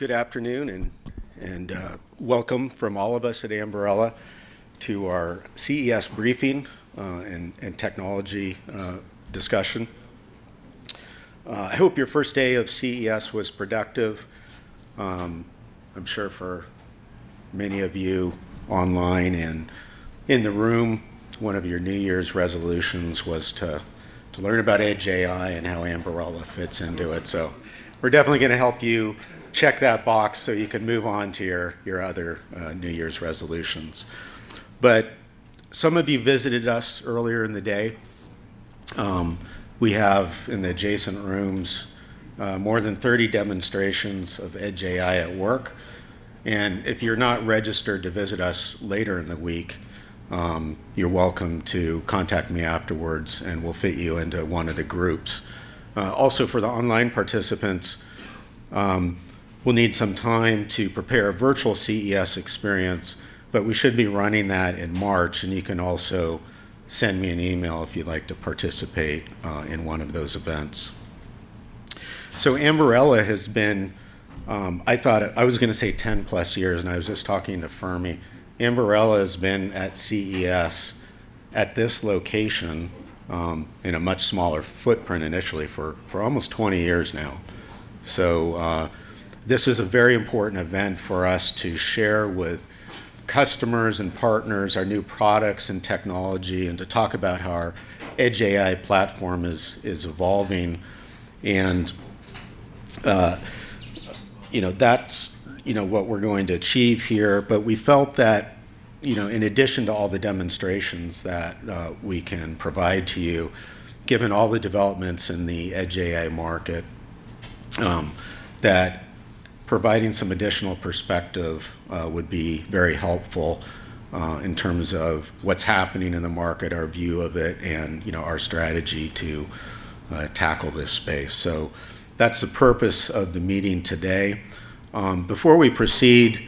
Good afternoon and welcome from all of us at Ambarella to our CES briefing and technology discussion. I hope your first day of CES was productive. I'm sure for many of you online and in the room, one of your New Year's resolutions was to learn about Edge AI and how Ambarella fits into it. We're definitely going to help you check that box so you can move on to your other New Year's resolutions. Some of you visited us earlier in the day. We have in the adjacent rooms more than 30 demonstrations of Edge AI at work. If you're not registered to visit us later in the week, you're welcome to contact me afterwards, and we'll fit you into one of the groups. Also, for the online participants, we'll need some time to prepare a virtual CES experience, but we should be running that in March. And you can also send me an email if you'd like to participate in one of those events. So Ambarella has been. I thought I was going to say 10 plus years, and I was just talking to Fermi. Ambarella has been at CES at this location in a much smaller footprint initially for almost 20 years now. So this is a very important event for us to share with customers and partners our new products and technology and to talk about how our Edge AI platform is evolving. And that's what we're going to achieve here. But we felt that, in addition to all the demonstrations that we can provide to you, given all the developments in the Edge AI market, that providing some additional perspective would be very helpful in terms of what's happening in the market, our view of it, and our strategy to tackle this space. So that's the purpose of the meeting today. Before we proceed,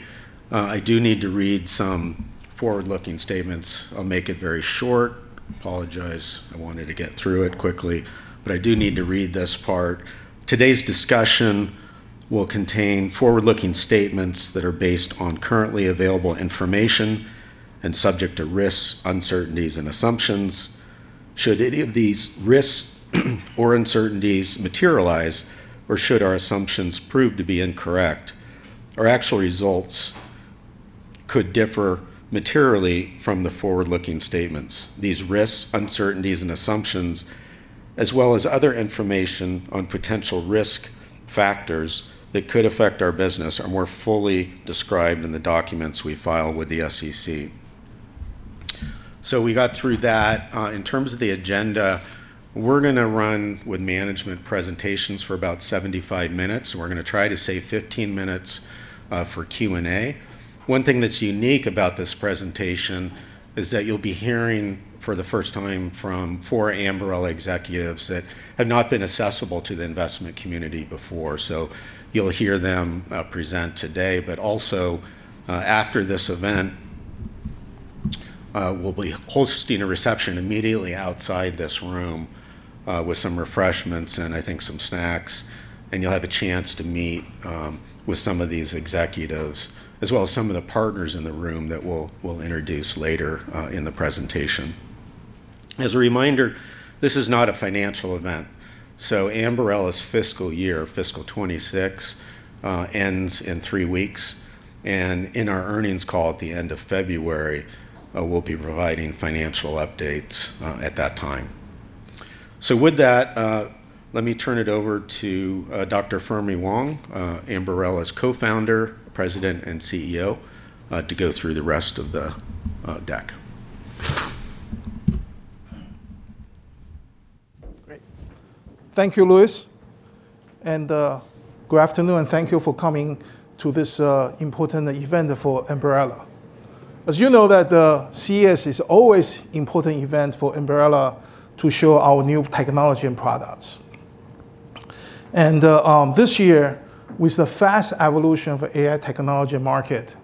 I do need to read some forward-looking statements. I'll make it very short. I apologize. I wanted to get through it quickly. But I do need to read this part. Today's discussion will contain forward-looking statements that are based on currently available information and subject to risks, uncertainties, and assumptions. Should any of these risks or uncertainties materialize, or should our assumptions prove to be incorrect, our actual results could differ materially from the forward-looking statements. These risks, uncertainties, and assumptions, as well as other information on potential risk factors that could affect our business, are more fully described in the documents we file with the SEC. So we got through that. In terms of the agenda, we're going to run with management presentations for about 75 minutes. We're going to try to save 15 minutes for Q&A. One thing that's unique about this presentation is that you'll be hearing for the first time from four Ambarella executives that have not been accessible to the investment community before. So you'll hear them present today. But also, after this event, we'll be hosting a reception immediately outside this room with some refreshments and, I think, some snacks. And you'll have a chance to meet with some of these executives, as well as some of the partners in the room that we'll introduce later in the presentation. As a reminder, this is not a financial event. So Ambarella's fiscal year, fiscal 2026, ends in three weeks. And in our earnings call at the end of February, we'll be providing financial updates at that time. So with that, let me turn it over to Dr. Fermi Wang, Ambarella's Co-founder, President, and CEO, to go through the rest of the deck. Great. Thank you, Louis. And good afternoon, and thank you for coming to this important event for Ambarella. As you know, the CES is always an important event for Ambarella to show our new technology and products. And this year, with the fast evolution of the AI technology market,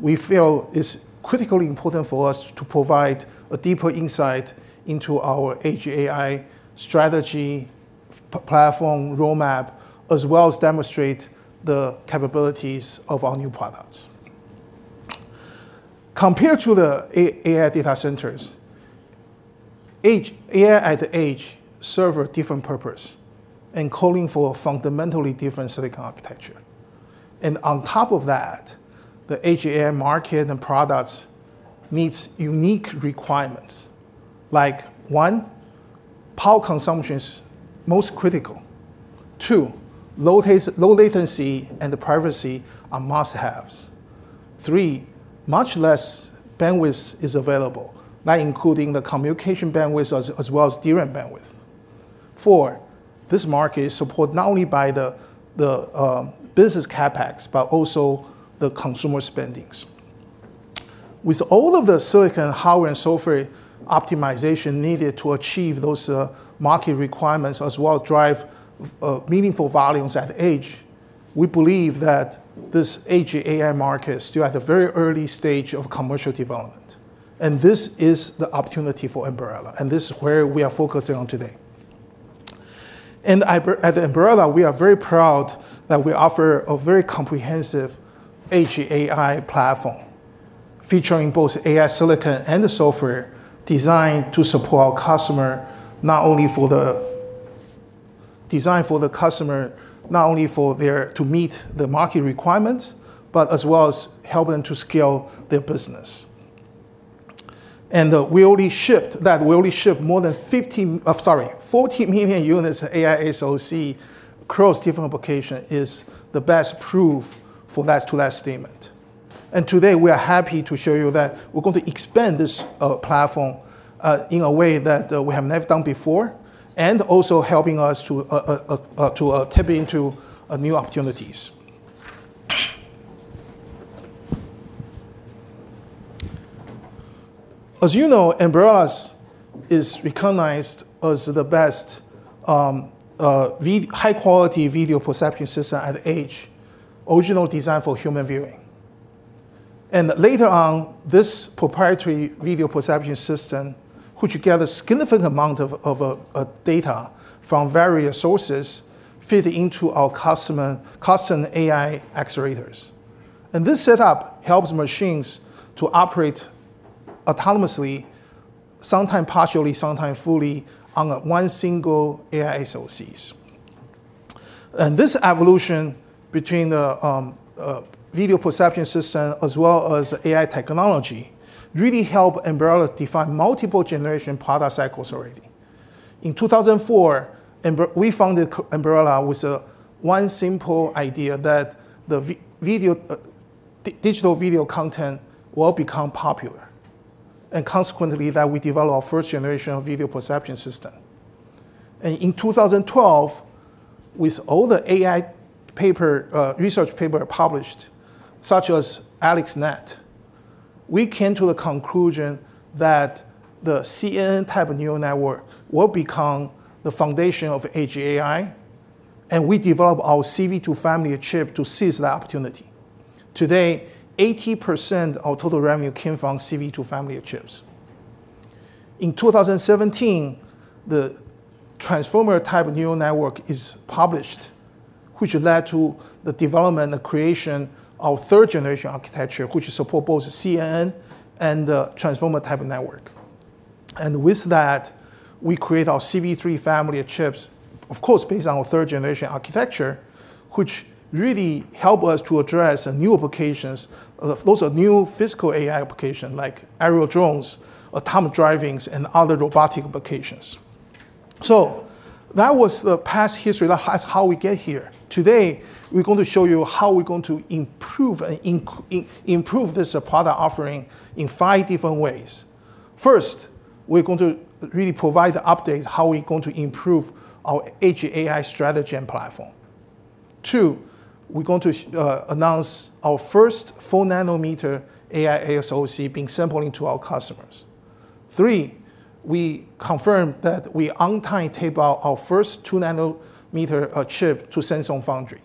we feel it's critically important for us to provide a deeper insight into our Edge AI strategy, platform, roadmap, as well as demonstrate the capabilities of our new products. Compared to the AI data centers, Edge AI at the Edge serves a different purpose and calling for a fundamentally different silicon architecture. And on top of that, the Edge AI market and products meet unique requirements, like one, power consumption is most critical. Two, low latency and privacy are must-haves. Three, much less bandwidth is available, not including the communication bandwidth as well as DRAM bandwidth. Fourth, this market is supported not only by the business CapEx, but also the consumer spending. With all of the silicon hardware and software optimization needed to achieve those market requirements, as well as drive meaningful volumes at the edge, we believe that this Edge AI market is still at a very early stage of commercial development. And this is the opportunity for Ambarella. And this is where we are focusing on today. And at Ambarella, we are very proud that we offer a very comprehensive Edge AI platform, featuring both AI silicon and the software designed to support our customer, not only for the design for the customer, not only to meet the market requirements, but as well as help them to scale their business. And that we only shipped more than 40 million units of AI SoC across different applications is the best proof for that statement. Today, we are happy to show you that we're going to expand this platform in a way that we have never done before, and also helping us to tap into new opportunities. As you know, Ambarella is recognized as the best high-quality video perception system at the Edge, originally designed for human viewing. Later on, this proprietary video perception system could gather a significant amount of data from various sources fitted into our custom AI accelerators. This setup helps machines to operate autonomously, sometimes partially, sometimes fully, on one single AI SoC. This evolution between the video perception system as well as AI technology really helped Ambarella define multiple generation product cycles already. In 2004, we founded Ambarella with one simple idea that digital video content will become popular. Consequently, that we developed our first generation of video perception system. And in 2012, with all the AI research papers published, such as AlexNet, we came to the conclusion that the CNN type neural network will become the foundation of Edge AI. And we developed our CV2 family chip to seize that opportunity. Today, 80% of total revenue came from CV2 family chips. In 2017, the transformer type neural network is published, which led to the development and creation of third generation architecture, which supports both CNN and the transformer type network. And with that, we created our CV3 family of chips, of course, based on third generation architecture, which really helped us to address new applications. Those are new physical AI applications like aerial drones, autonomous driving, and other robotic applications. So that was the past history. That's how we get here. Today, we're going to show you how we're going to improve this product offering in five different ways. First, we're going to really provide the updates on how we're going to improve our Edge AI strategy and platform. Two, we're going to announce our first 4 nm AI SoC being sampled to our customers. Three, we confirmed that we taped out our first 2 nm chip to Samsung Foundry.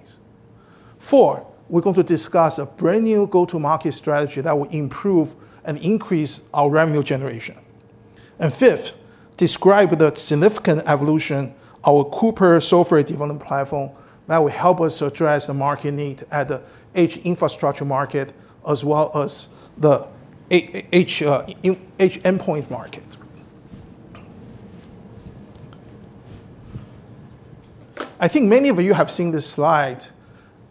Four, we're going to discuss a brand new go-to-market strategy that will improve and increase our revenue generation. And fifth, describe the significant evolution of our Cooper software development platform that will help us address the market need at the Edge infrastructure market, as well as the Edge endpoint market. I think many of you have seen this slide.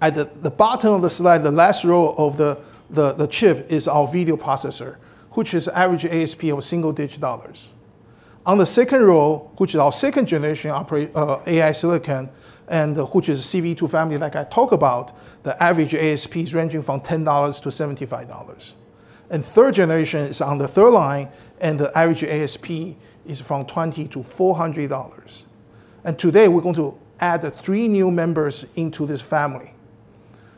At the bottom of the slide, the last row of the chip is our video processor, which is average ASP of single-digit dollars. On the second row, which is our second generation AI silicon, and which is CV2 family, like I talked about, the average ASP is ranging from $10-$75. And third generation is on the third line, and the average ASP is from $20-$400. And today, we're going to add three new members into this family.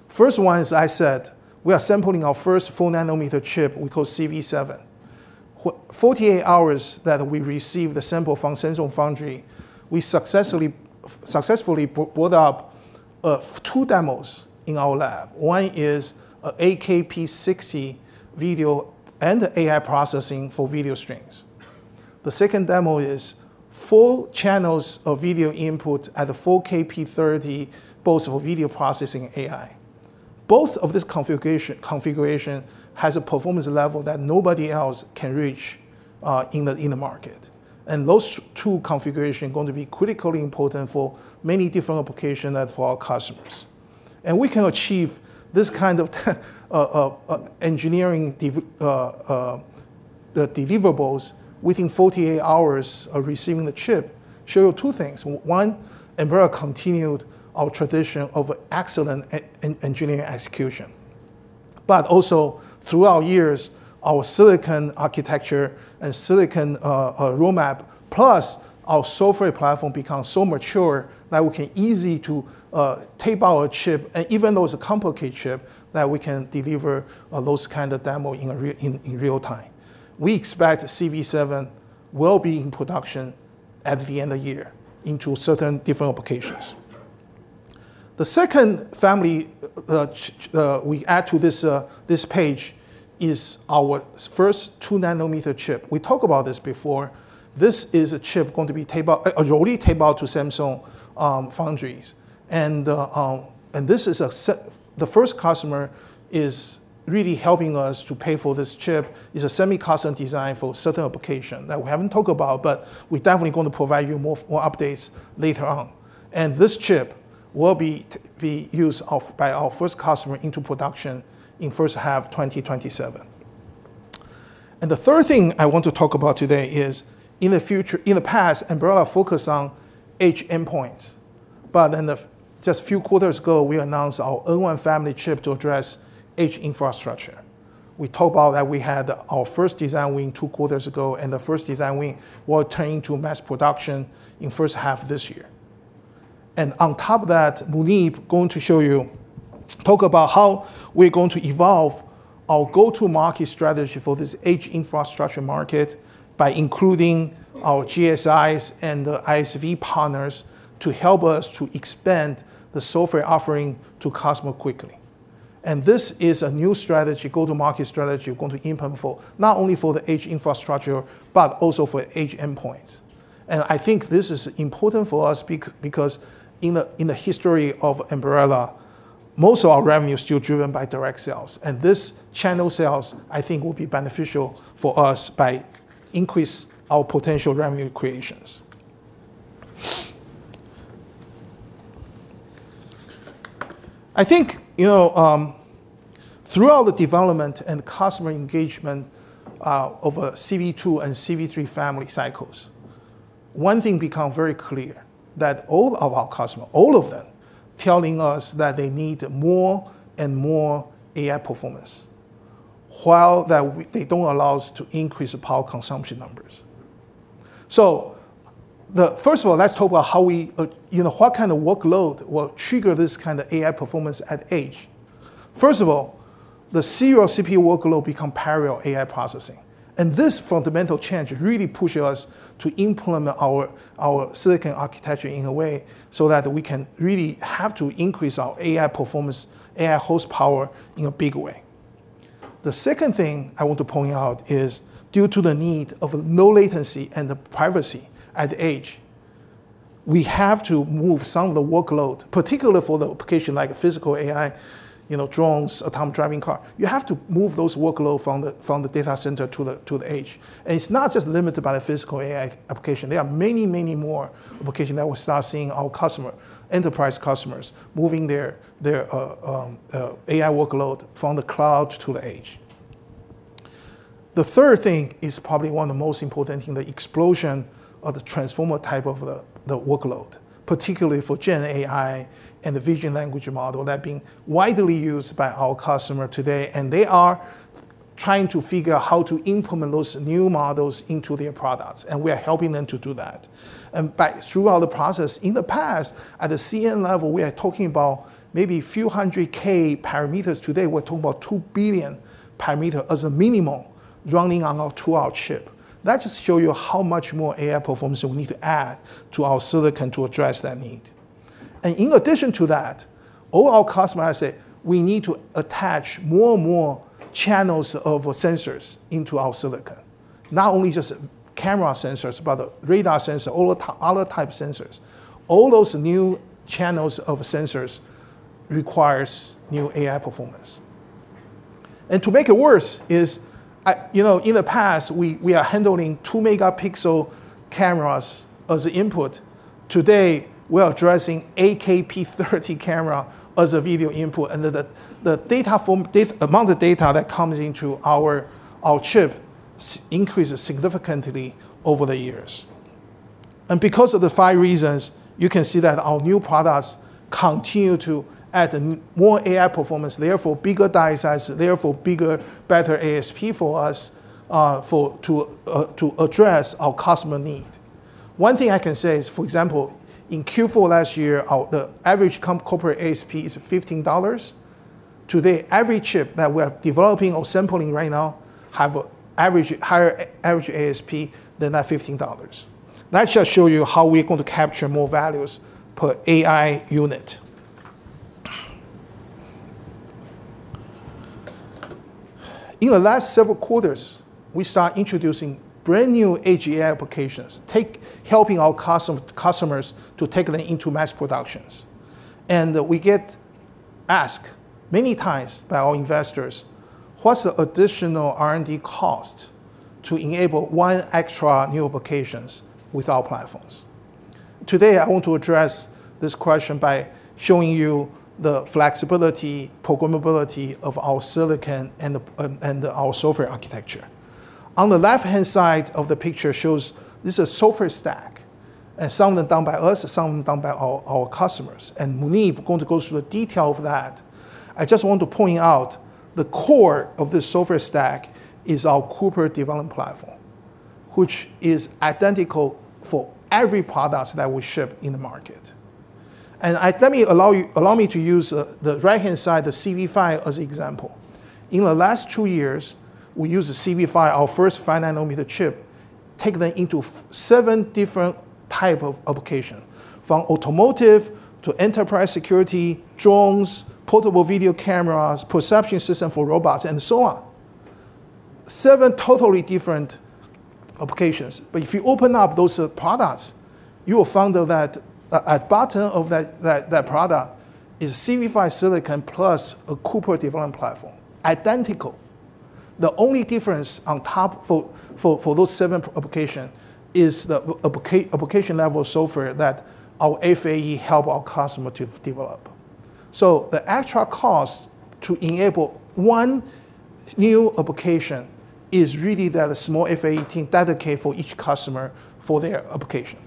First one, as I said, we are sampling our first 4 nm chip. We call it CV7. 48 hours that we received the sample from Samsung Foundry, we successfully brought up two demos in our lab. One is an 8K P60 video and AI processing for video streams. The second demo is four channels of video input at a 4K P30, both for video processing and AI. Both of this configuration has a performance level that nobody else can reach in the market. Those two configurations are going to be critically important for many different applications for our customers. We can achieve this kind of engineering deliverables within 48 hours of receiving the chip. Show you two things. One, Ambarella continued our tradition of excellent engineering execution. But also, through our years, our silicon architecture and silicon roadmap, plus our software platform, become so mature that we can easily tape out a chip. Even though it's a complicated chip, that we can deliver those kinds of demos in real time. We expect CV7 will be in production at the end of the year into certain different applications. The second family we add to this page is our first 2 nm chip. We talked about this before. This is a chip going to be taped out, already taped out to Samsung foundries. And this is the first customer is really helping us to pay for this chip. It's a semi-custom design for certain applications that we haven't talked about, but we're definitely going to provide you more updates later on. And the third thing I want to talk about today is, in the past, Ambarella focused on Edge endpoints. But then just a few quarters ago, we announced our N1 family chip to address Edge infrastructure. We talked about that we had our first design win two quarters ago, and the first design win will turn into mass production in the first half of this year. On top of that, we're going to show you, talk about how we're going to evolve our go-to-market strategy for this Edge infrastructure market by including our GSIs and the ISV partners to help us to expand the software offering to customers quickly. This is a new strategy, go-to-market strategy, going to implement for not only for the Edge infrastructure, but also for Edge endpoints. I think this is important for us because, in the history of Ambarella, most of our revenue is still driven by direct sales. This channel sales, I think, will be beneficial for us by increasing our potential revenue creations. I think, throughout the development and customer engagement of CV2 and CV3 family cycles, one thing becomes very clear that all of our customers, all of them, are telling us that they need more and more AI performance, while they don't allow us to increase the power consumption numbers. So first of all, let's talk about what kind of workload will trigger this kind of AI performance at edge. First of all, the serial CPU workload becomes parallel AI processing, and this fundamental change really pushes us to implement our silicon architecture in a way so that we can really have to increase our AI performance, AI horsepower in a big way. The second thing I want to point out is, due to the need of low latency and privacy at the Edge, we have to move some of the workload, particularly for the application like physical AI drones, autonomous driving cars. You have to move those workloads from the data center to the Edge. And it's not just limited by the physical AI application. There are many, many more applications that we'll start seeing our customers, enterprise customers, moving their AI workload from the cloud to the Edge. The third thing is probably one of the most important things, the explosion of the transformer type of the workload, particularly for GenAI and the vision language model that are being widely used by our customers today. And they are trying to figure out how to implement those new models into their products. And we are helping them to do that. And throughout the process, in the past, at the CNN level, we are talking about maybe a few hundred K parameters. Today, we're talking about 2 billion parameters as a minimum running on our chip. That just shows you how much more AI performance we need to add to our silicon to address that need. And in addition to that, all our customers say we need to attach more and more channels of sensors into our silicon, not only just camera sensors, but radar sensors, all the other type sensors. All those new channels of sensors require new AI performance. And to make it worse, in the past, we are handling 2-megapixel cameras as input. Today, we are addressing 8K 30 camera as a video input. And the amount of data that comes into our chip increases significantly over the years. And because of the five reasons, you can see that our new products continue to add more AI performance, therefore bigger die size, therefore bigger, better ASP for us to address our customer need. One thing I can say is, for example, in Q4 last year, the average corporate ASP is $15. Today, every chip that we are developing or sampling right now has an average higher ASP than that $15. That just shows you how we're going to capture more values per AI unit. In the last several quarters, we started introducing brand new Edge AI applications, helping our customers to take them into mass productions. And we get asked many times by our investors, what's the additional R&D cost to enable one extra new application with our platforms? Today, I want to address this question by showing you the flexibility, programmability of our silicon and our software architecture. On the left-hand side of the picture shows this is a software stack, and some of them done by us, some of them done by our customers. And when we're going to go through the detail of that, I just want to point out the core of this software stack is our Cooper Developer Platform, which is identical for every product that we ship in the market. And let me use the right-hand side, the CV5, as an example. In the last two years, we used the CV5, our first 5 nm chip, to take them into seven different types of applications, from automotive to enterprise security, drones, portable video cameras, perception system for robots, and so on. Seven totally different applications. But if you open up those products, you will find that at the bottom of that product is CV5 silicon plus a Cooper Developer Platform, identical. The only difference on top for those seven applications is the application level software that our FAE helps our customers to develop. So the extra cost to enable one new application is really that a small FAE team dedicates for each customer for their application.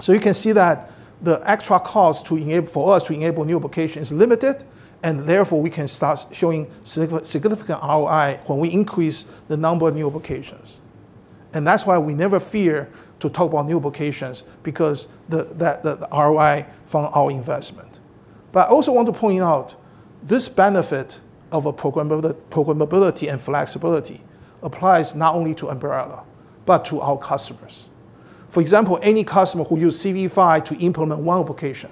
So you can see that the extra cost for us to enable new applications is limited. And therefore, we can start showing significant ROI when we increase the number of new applications. And that's why we never fear to talk about new applications because of the ROI from our investment. But I also want to point out this benefit of programmability and flexibility applies not only to Ambarella, but to our customers. For example, any customer who uses CV5 to implement one application,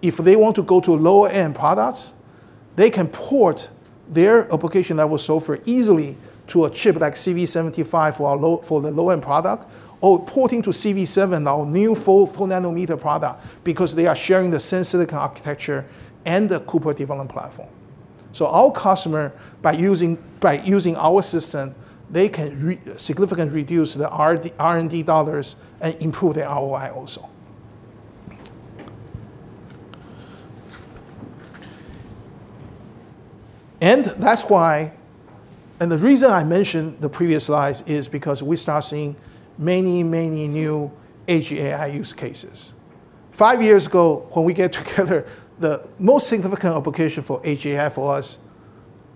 if they want to go to lower-end products, they can port their application level software easily to a chip like CV75 for the low-end product or porting to CV7, our new 4 nm product, because they are sharing the same silicon architecture and the Cooper development platform. So our customers, by using our system, they can significantly reduce the R&D dollars and improve their ROI also. And that's why, and the reason I mentioned the previous slides is because we start seeing many, many new Edge AI use cases. Five years ago, when we got together, the most significant application for Edge AI for us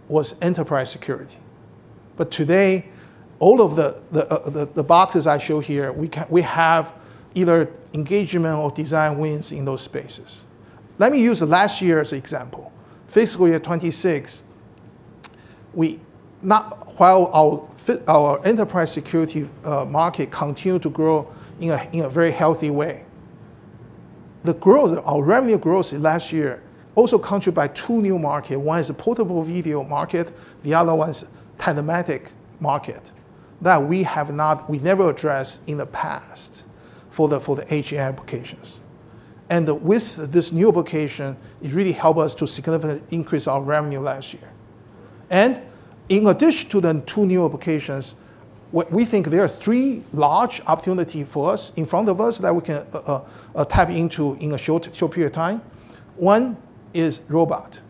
was enterprise security. But today, all of the boxes I show here, we have either engagement or design wins in those spaces. Let me use last year as an example. Fiscal year 2026, while our enterprise security market continued to grow in a very healthy way, our revenue growth last year also contributed by two new markets. One is the portable video market. The other one is the telematics market that we never addressed in the past for the Edge AI applications. And with this new application, it really helped us to significantly increase our revenue last year. And in addition to the two new applications, we think there are three large opportunities for us in front of us that we can tap into in a short period of time. One is robotics.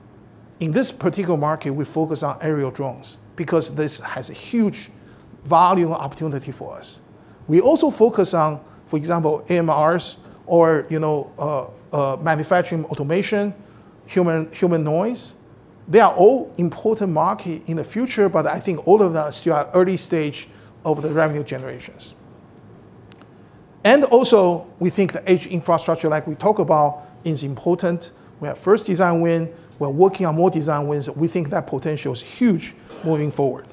In this particular market, we focus on aerial drones because this has a huge volume opportunity for us. We also focus on, for example, AMRs or manufacturing automation, humanoids. They are all important markets in the future, but I think all of them are still at early stage of the revenue generations, and also, we think the Edge infrastructure, like we talked about, is important. We have first design win. We're working on more design wins. We think that potential is huge moving forward.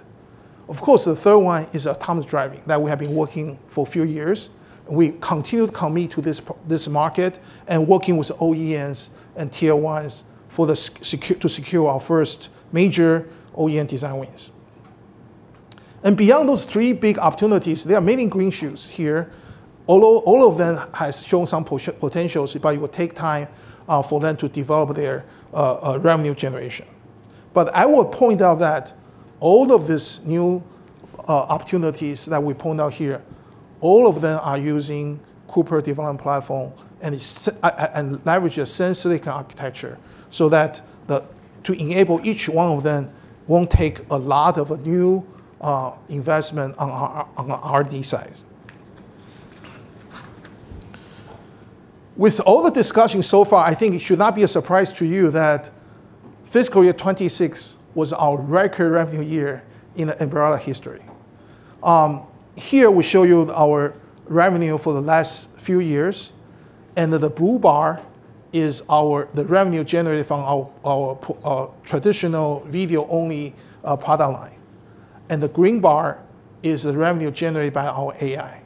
Of course, the third one is autonomous driving that we have been working for a few years. We continue to commit to this market and working with OEMs and Tier 1s to secure our first major OEM design wins, and beyond those three big opportunities, there are many green shoots here. All of them have shown some potential, but it will take time for them to develop their revenue generation. But I will point out that all of these new opportunities that we point out here, all of them are using Cooper Developer Platform and leverage the same silicon architecture so that to enable each one of them won't take a lot of new investment on R&D side. With all the discussion so far, I think it should not be a surprise to you that Fiscal year 2026 was our record revenue year in Ambarella history. Here, we show you our revenue for the last few years. The blue bar is the revenue generated from our traditional video-only product line. The green bar is the revenue generated by our AI.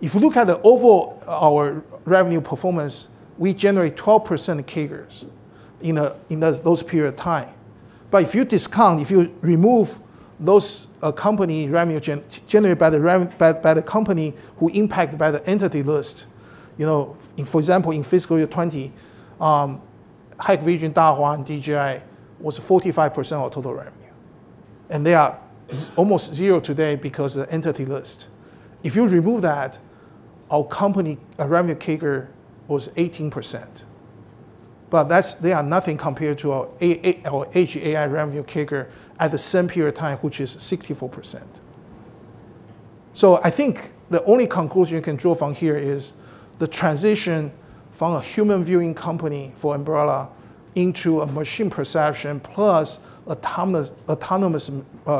If you look at the overall revenue performance, we generate 12% CAGR in those periods of time. But if you discount, if you remove those companies' revenue generated by the company who impacted by the Entity List, for example, in Fiscal year 2020, Hikvision, Dahua, and DJI was 45% of our total revenue. And they are almost zero today because of the Entity List. If you remove that, our company revenue CAGR was 18%. But they are nothing compared to our Edge AI revenue CAGR at the same period of time, which is 64%. So I think the only conclusion you can draw from here is the transition from a human viewing company for Ambarella into a machine perception plus autonomous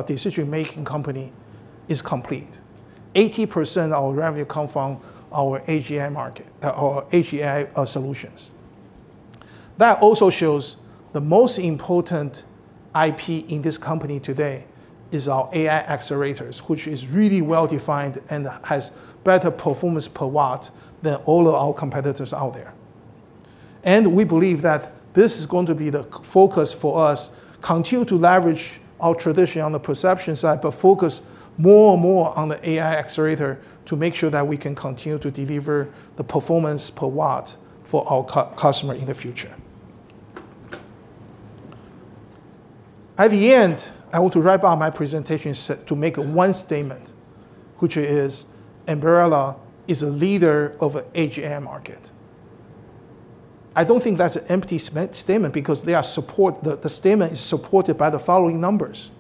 decision-making company is complete. 80% of our revenue comes from our Edge AI solutions. That also shows the most important IP in this company today is our AI accelerators, which is really well-defined and has better performance per watt than all of our competitors out there. We believe that this is going to be the focus for us, continue to leverage our tradition on the perception side, but focus more and more on the AI accelerator to make sure that we can continue to deliver the performance per watt for our customers in the future. At the end, I want to wrap up my presentation to make one statement, which is Ambarella is a leader of the Edge AI market. I don't think that's an empty statement because the statement is supported by the following numbers.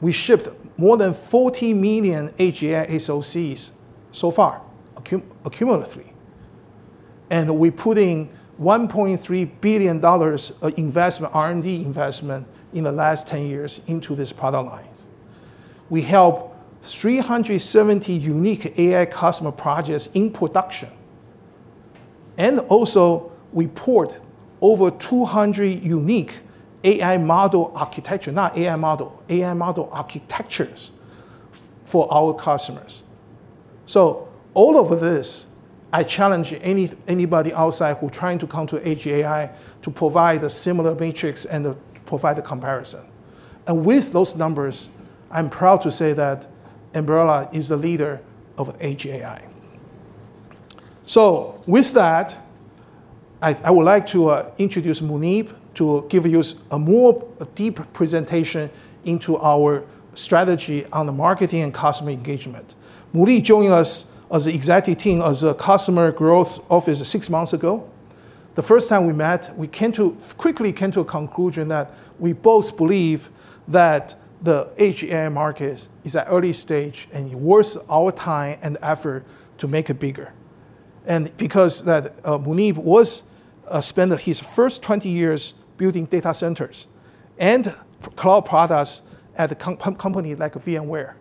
We shipped more than 40 million Edge AI SoCs so far, accumulatively. We put in $1.3 billion of investment, R&D investment in the last 10 years into this product line. We helped 370 unique AI customer projects in production. Also, we port over 200 unique AI model architecture, not AI model, AI model architectures for our customers. All of this, I challenge anybody outside who's trying to come to Edge AI to provide a similar matrix and provide a comparison. With those numbers, I'm proud to say that Ambarella is the leader of Edge AI. With that, I would like to introduce Muneyb to give you a more deep presentation into our strategy on the marketing and customer engagement. Muneyb joined us as an executive team as a Customer Growth Officer six months ago. The first time we met, we quickly came to a conclusion that we both believe that the Edge AI market is at an early stage and it's worth our time and effort to make it bigger. Because Muneyb spent his first 20 years building data centers and cloud products at a company like VMware.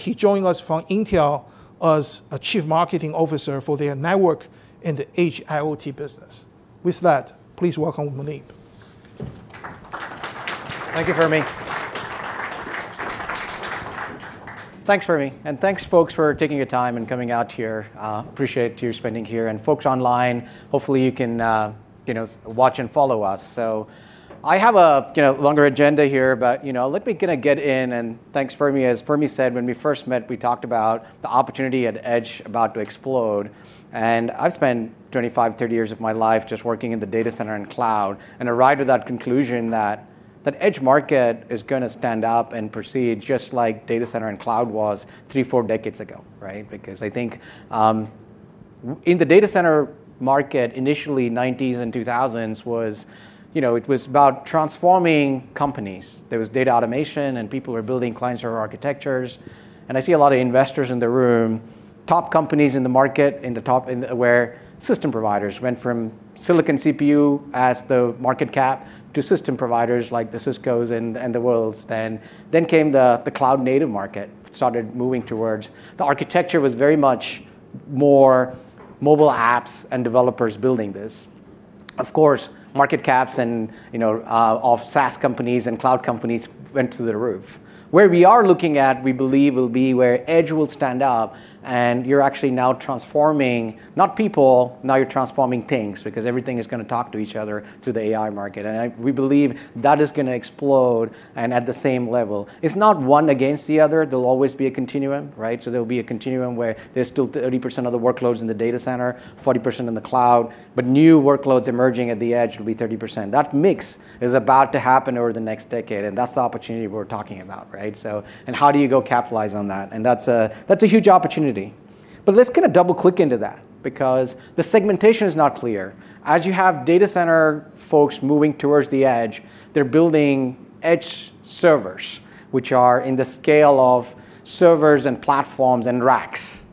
He joined us from Intel as Chief Marketing Officer for their network in the Edge IoT business. With that, please welcome Muneyb. Thank you, Fermi. Thanks, Fermi. And thanks, folks, for taking your time and coming out here. Appreciate your spending here. And folks online, hopefully, you can watch and follow us. So I have a longer agenda here, but let me kind of get in. And thanks, Fermi. As Fermi said, when we first met, we talked about the opportunity at Edge about to explode. And I've spent 25, 30 years of my life just working in the data center and cloud and arrived at that conclusion that the Edge market is going to stand up and proceed just like data center and cloud was three, four decades ago, right? Because I think in the data center market, initially, 1990s and 2000s, it was about transforming companies. There was data automation, and people were building client-server architectures. And I see a lot of investors in the room, top companies in the market, where system providers went from silicon CPU as the market cap to system providers like the Ciscos and the [worlds]. Then came the cloud-native market, started moving towards the architecture was very much more mobile apps and developers building this. Of course, market caps and SaaS companies and cloud companies went through the roof. Where we are looking at, we believe, will be where Edge will stand up. And you're actually now transforming not people. Now you're transforming things because everything is going to talk to each other through the AI market. And we believe that is going to explode and at the same level. It's not one against the other. There'll always be a continuum, right? So there'll be a continuum where there's still 30% of the workloads in the data center, 40% in the cloud. But new workloads emerging at the edge will be 30%. That mix is about to happen over the next decade. And that's the opportunity we're talking about, right? And how do you go capitalize on that? And that's a huge opportunity. But let's kind of double-click into that because the segmentation is not clear. As you have data center folks moving towards the edge, they're building edge servers, which are in the scale of servers and platforms and racks.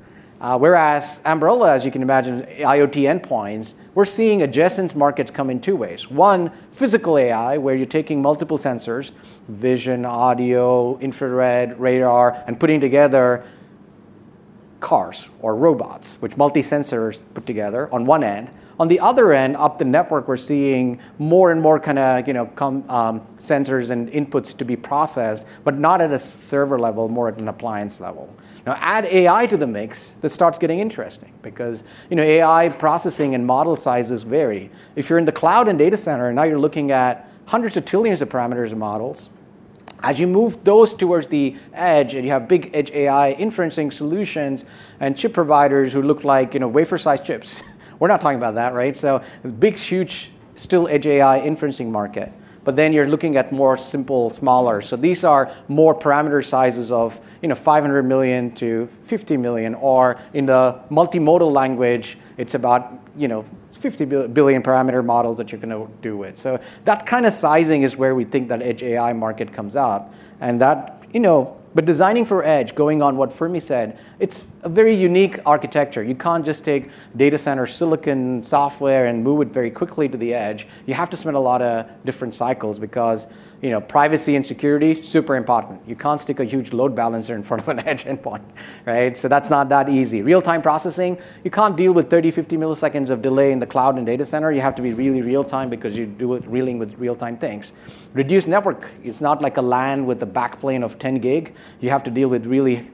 Whereas Ambarella, as you can imagine, IoT endpoints, we're seeing adjacent markets come in two ways. One, physical AI, where you're taking multiple sensors: vision, audio, infrared, radar, and putting together cars or robots, which multi-sensors put together on one end. On the other end, up the network, we're seeing more and more kind of sensors and inputs to be processed, but not at a server level, more at an appliance level. Now, add AI to the mix. This starts getting interesting because AI processing and model sizes vary. If you're in the cloud and data center, now you're looking at hundreds of trillions of parameters and models. As you move those towards the edge, and you have big edge AI inferencing solutions and chip providers who look like wafer-sized chips. We're not talking about that, right? So big, huge, still edge AI inferencing market. But then you're looking at more simple, smaller. So these are more parameter sizes of 500 million to 50 million. Or in the multimodal language, it's about 50 billion parameter models that you're going to do with. That kind of sizing is where we think that edge AI market comes up. But designing for edge, going on what Fermi said, it's a very unique architecture. You can't just take data center silicon software and move it very quickly to the edge. You have to spend a lot of different cycles because privacy and security are super important. You can't stick a huge load balancer in front of an edge endpoint, right? So that's not that easy. Real-time processing, you can't deal with 30, 50 milliseconds of delay in the cloud and data center. You have to be really real-time because you're dealing with real-time things. Reduced network is not like a LAN with a backplane of 10 GB. You have to deal with really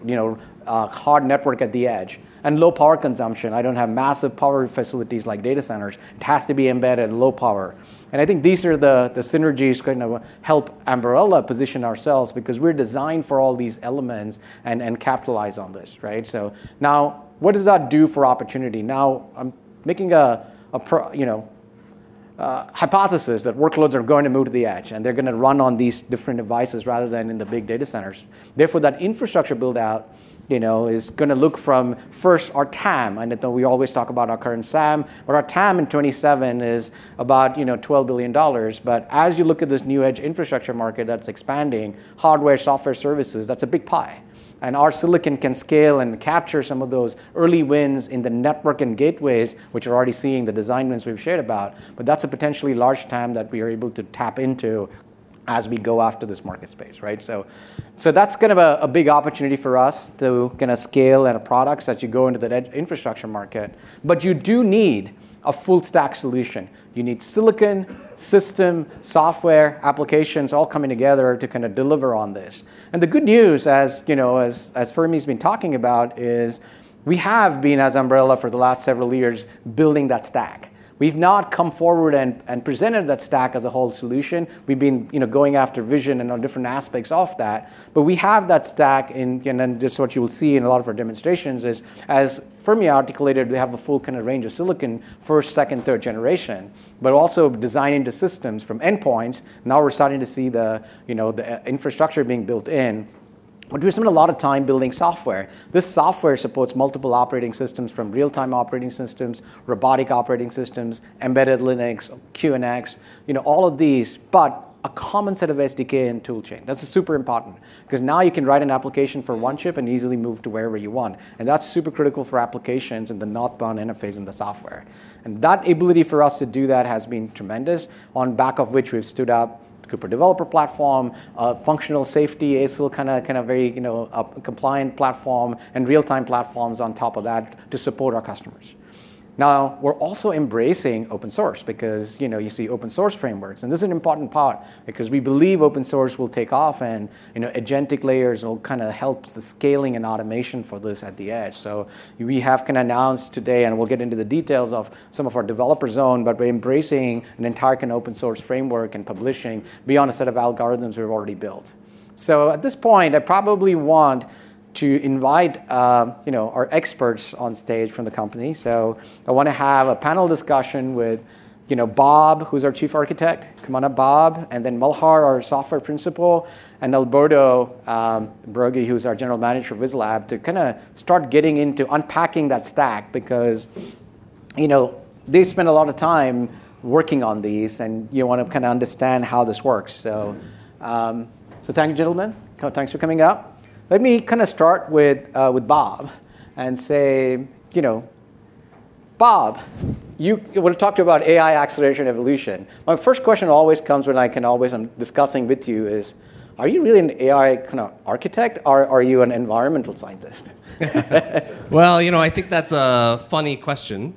hard network at the edge. And low power consumption. I don't have massive power facilities like data centers. It has to be embedded at low power. And I think these are the synergies that kind of help Ambarella position ourselves because we're designed for all these elements and capitalize on this, right? So now, what does that do for opportunity? Now, I'm making a hypothesis that workloads are going to move to the edge, and they're going to run on these different devices rather than in the big data centers. Therefore, that infrastructure build-out is going to look from first our TAM. And we always talk about our current SAM, but our TAM in 2027 is about $12 billion. But as you look at this new edge infrastructure market that's expanding, hardware, software services, that's a big pie. And our silicon can scale and capture some of those early wins in the network and gateways, which we're already seeing the design wins we've shared about. But that's a potentially large TAM that we are able to tap into as we go after this market space, right? So that's kind of a big opportunity for us to kind of scale our products as you go into the edge infrastructure market. But you do need a full-stack solution. You need silicon, system, software, applications all coming together to kind of deliver on this. And the good news, as Fermi has been talking about, is we have been, as Ambarella, for the last several years building that stack. We've not come forward and presented that stack as a whole solution. We've been going after vision and on different aspects of that. But we have that stack. And this is what you will see in a lot of our demonstrations: as Fermi articulated, we have a full kind of range of silicon, first, second, third generation, but also designing the systems from endpoints. Now we're starting to see the infrastructure being built in. But we've spent a lot of time building software. This software supports multiple operating systems from real-time operating systems, robotic operating systems, embedded Linux, QNX, all of these, but a common set of SDK and toolchain. That's super important because now you can write an application for one chip and easily move to wherever you want. And that's super critical for applications and the Northbound interface in the software. And that ability for us to do that has been tremendous, on back of which we've stood up a Cooper Developer Platform, a functional safety ASIL kind of very compliant platform, and real-time platforms on top of that to support our customers. Now, we're also embracing open source because you see open source frameworks. And this is an important part because we believe open source will take off, and agentic layers will kind of help the scaling and automation for this at the edge. So we have kind of announced today, and we'll get into the details of some of our developer zone, but we're embracing an entire kind of open source framework and publishing beyond a set of algorithms we've already built. So at this point, I probably want to invite our experts on stage from the company. So I want to have a panel discussion with Bob, who's our chief architect, and then Malhar, our software principal, and Alberto Broggi, who's our general manager for VisLab, to kind of start getting into unpacking that stack because they spend a lot of time working on these, and you want to kind of understand how this works. So thank you, gentlemen. Thanks for coming up. Let me kind of start with Bob and say, "Bob, we're talking about AI acceleration evolution." My first question always comes when I can always discuss with you is, "Are you really an AI kind of architect, or are you an environmental scientist? I think that's a funny question.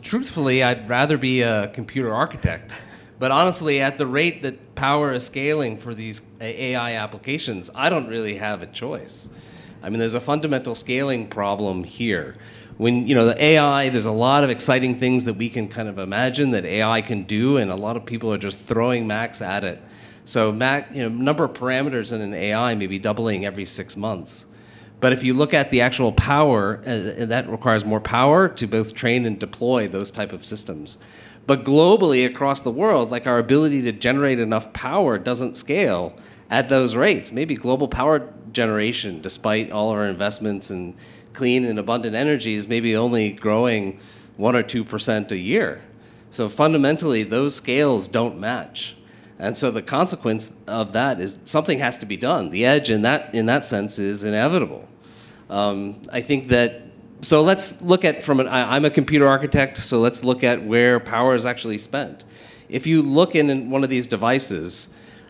Truthfully, I'd rather be a computer architect. But honestly, at the rate that power is scaling for these AI applications, I don't really have a choice. I mean, there's a fundamental scaling problem here. The AI, there's a lot of exciting things that we can kind of imagine that AI can do, and a lot of people are just throwing MACs at it. So number of parameters in an AI may be doubling every six months. But if you look at the actual power, that requires more power to both train and deploy those types of systems. But globally, across the world, our ability to generate enough power doesn't scale at those rates. Maybe global power generation, despite all our investments in clean and abundant energy, is maybe only growing 1% or 2% a year. So fundamentally, those scales don't match. The consequence of that is something has to be done. The edge, in that sense, is inevitable. So let's look at. I'm a computer architect, so let's look at where power is actually spent. If you look in one of these devices,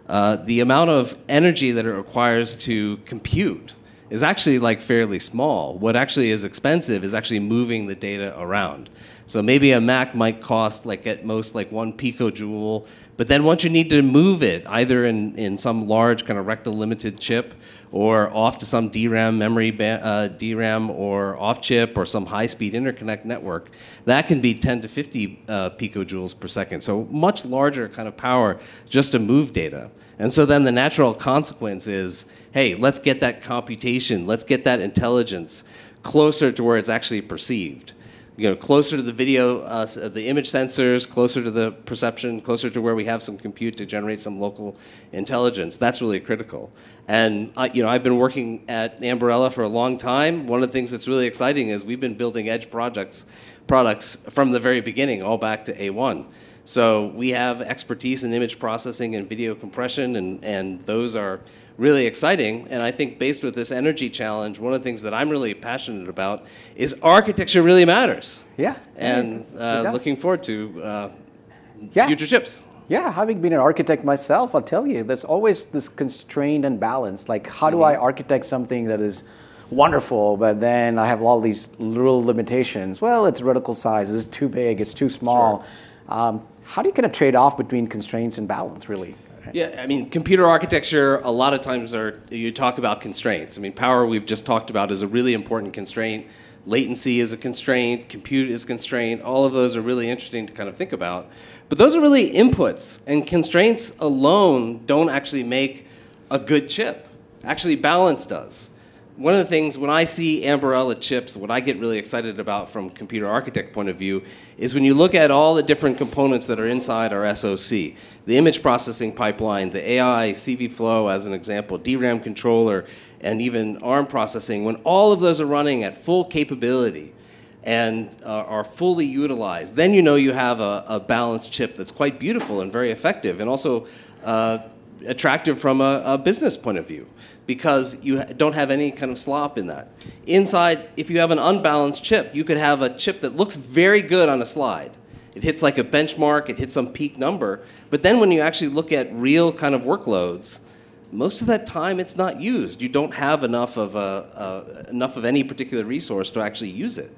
the amount of energy that it requires to compute is actually fairly small. What actually is expensive is actually moving the data around. So maybe a MAC might cost at most one picojoule. But then once you need to move it, either in some large kind of reticle-limited chip or off to some DRAM memory, DRAM or off chip or some high-speed interconnect network, that can be 10-50 pJ per second. So much larger kind of power just to move data. And so then the natural consequence is, "Hey, let's get that computation. Let's get that intelligence closer to where it's actually perceived, closer to the video, the image sensors, closer to the perception, closer to where we have some compute to generate some local intelligence. That's really critical. And I've been working at Ambarella for a long time. One of the things that's really exciting is we've been building edge products from the very beginning, all back to A1. So we have expertise in image processing and video compression, and those are really exciting. And I think based with this energy challenge, one of the things that I'm really passionate about is architecture really matters. Yeah, and looking forward to future chips. Yeah. Having been an architect myself, I'll tell you, there's always this constraint and balance. How do I architect something that is wonderful, but then I have all these little limitations? It's vertical size. It's too big. It's too small. How do you kind of trade off between constraints and balance, really? Yeah. I mean, computer architecture, a lot of times, you talk about constraints. I mean, power we've just talked about is a really important constraint. Latency is a constraint. Compute is a constraint. All of those are really interesting to kind of think about. But those are really inputs. And constraints alone don't actually make a good chip. Actually, one of the things when I see Ambarella chips, what I get really excited about from a computer architect point of view is when you look at all the different components that are inside our SoC, the image processing pipeline, the AI, CVflow, as an example, DRAM controller, and even ARM processing. When all of those are running at full capability and are fully utilized, then you know you have a balanced chip that's quite beautiful and very effective and also attractive from a business point of view because you don't have any kind of slop in that. Inside, if you have an unbalanced chip, you could have a chip that looks very good on a slide. It hits like a benchmark. It hits some peak number. But then when you actually look at real kind of workloads, most of that time, it's not used. You don't have enough of any particular resource to actually use it,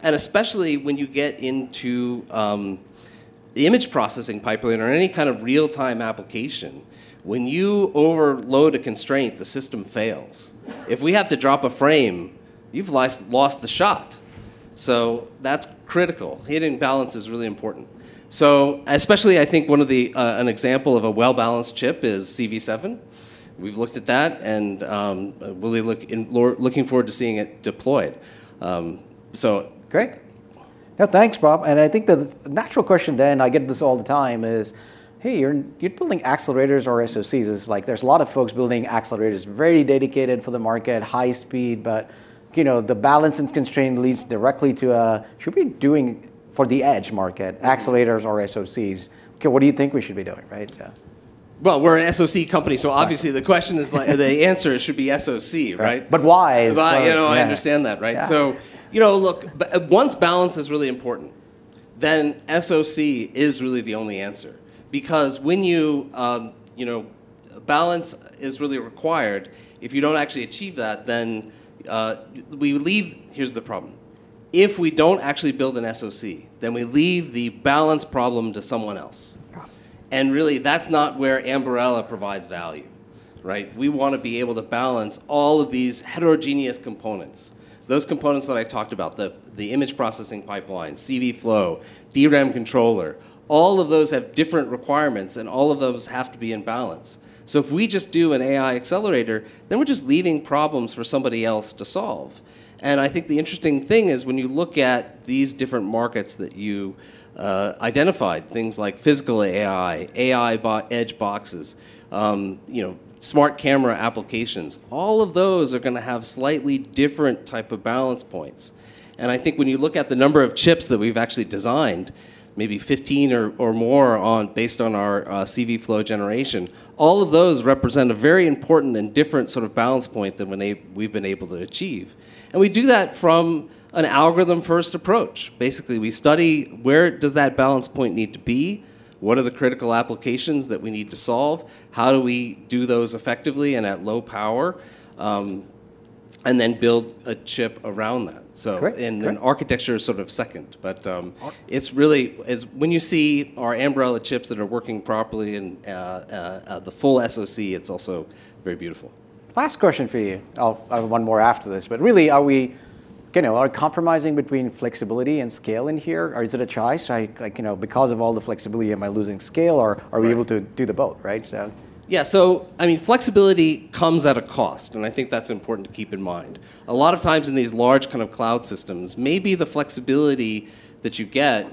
and especially when you get into the image processing pipeline or any kind of real-time application, when you overload a constraint, the system fails. If we have to drop a frame, you've lost the shot. So that's critical. Hitting balance is really important. Especially, I think an example of a well-balanced chip is CV7. We've looked at that, and we're looking forward to seeing it deployed. Great. Yeah. Thanks, Bob. And I think the natural question then, and I get this all the time, is, "Hey, you're building accelerators or SoCs?" There's a lot of folks building accelerators, very dedicated for the market, high speed. But the balance and constraint leads directly to, "Should we be doing for the edge market accelerators or SoCs? What do you think we should be doing?" Right? We're an SoC company, so obviously, the answer should be SoC, right? But why? I understand that, right? So look, once balance is really important, then SoC is really the only answer. Because when balance is really required, if you don't actually achieve that, then we leave. Here's the problem. If we don't actually build an SoC, then we leave the balance problem to someone else, and really, that's not where Ambarella provides value, right? We want to be able to balance all of these heterogeneous components, those components that I talked about, the image processing pipeline, CVflow, DRAM controller. All of those have different requirements, and all of those have to be in balance, so if we just do an AI accelerator, then we're just leaving problems for somebody else to solve. I think the interesting thing is when you look at these different markets that you identified, things like physical AI, AI-powered edge boxes, smart camera applications, all of those are going to have slightly different types of balance points. I think when you look at the number of chips that we've actually designed, maybe 15 or more based on our CVflow generation, all of those represent a very important and different sort of balance point than we've been able to achieve. We do that from an algorithm-first approach. Basically, we study where does that balance point need to be, what are the critical applications that we need to solve, how do we do those effectively and at low power, and then build a chip around that. So architecture is sort of second. But when you see our Ambarella chips that are working properly and the full SoC, it's also very beautiful. Last question for you. I have one more after this. But really, are we compromising between flexibility and scale in here? Or is it a choice? Because of all the flexibility, am I losing scale, or are we able to do the both, right? Yeah. So I mean, flexibility comes at a cost. And I think that's important to keep in mind. A lot of times in these large kind of cloud systems, maybe the flexibility that you get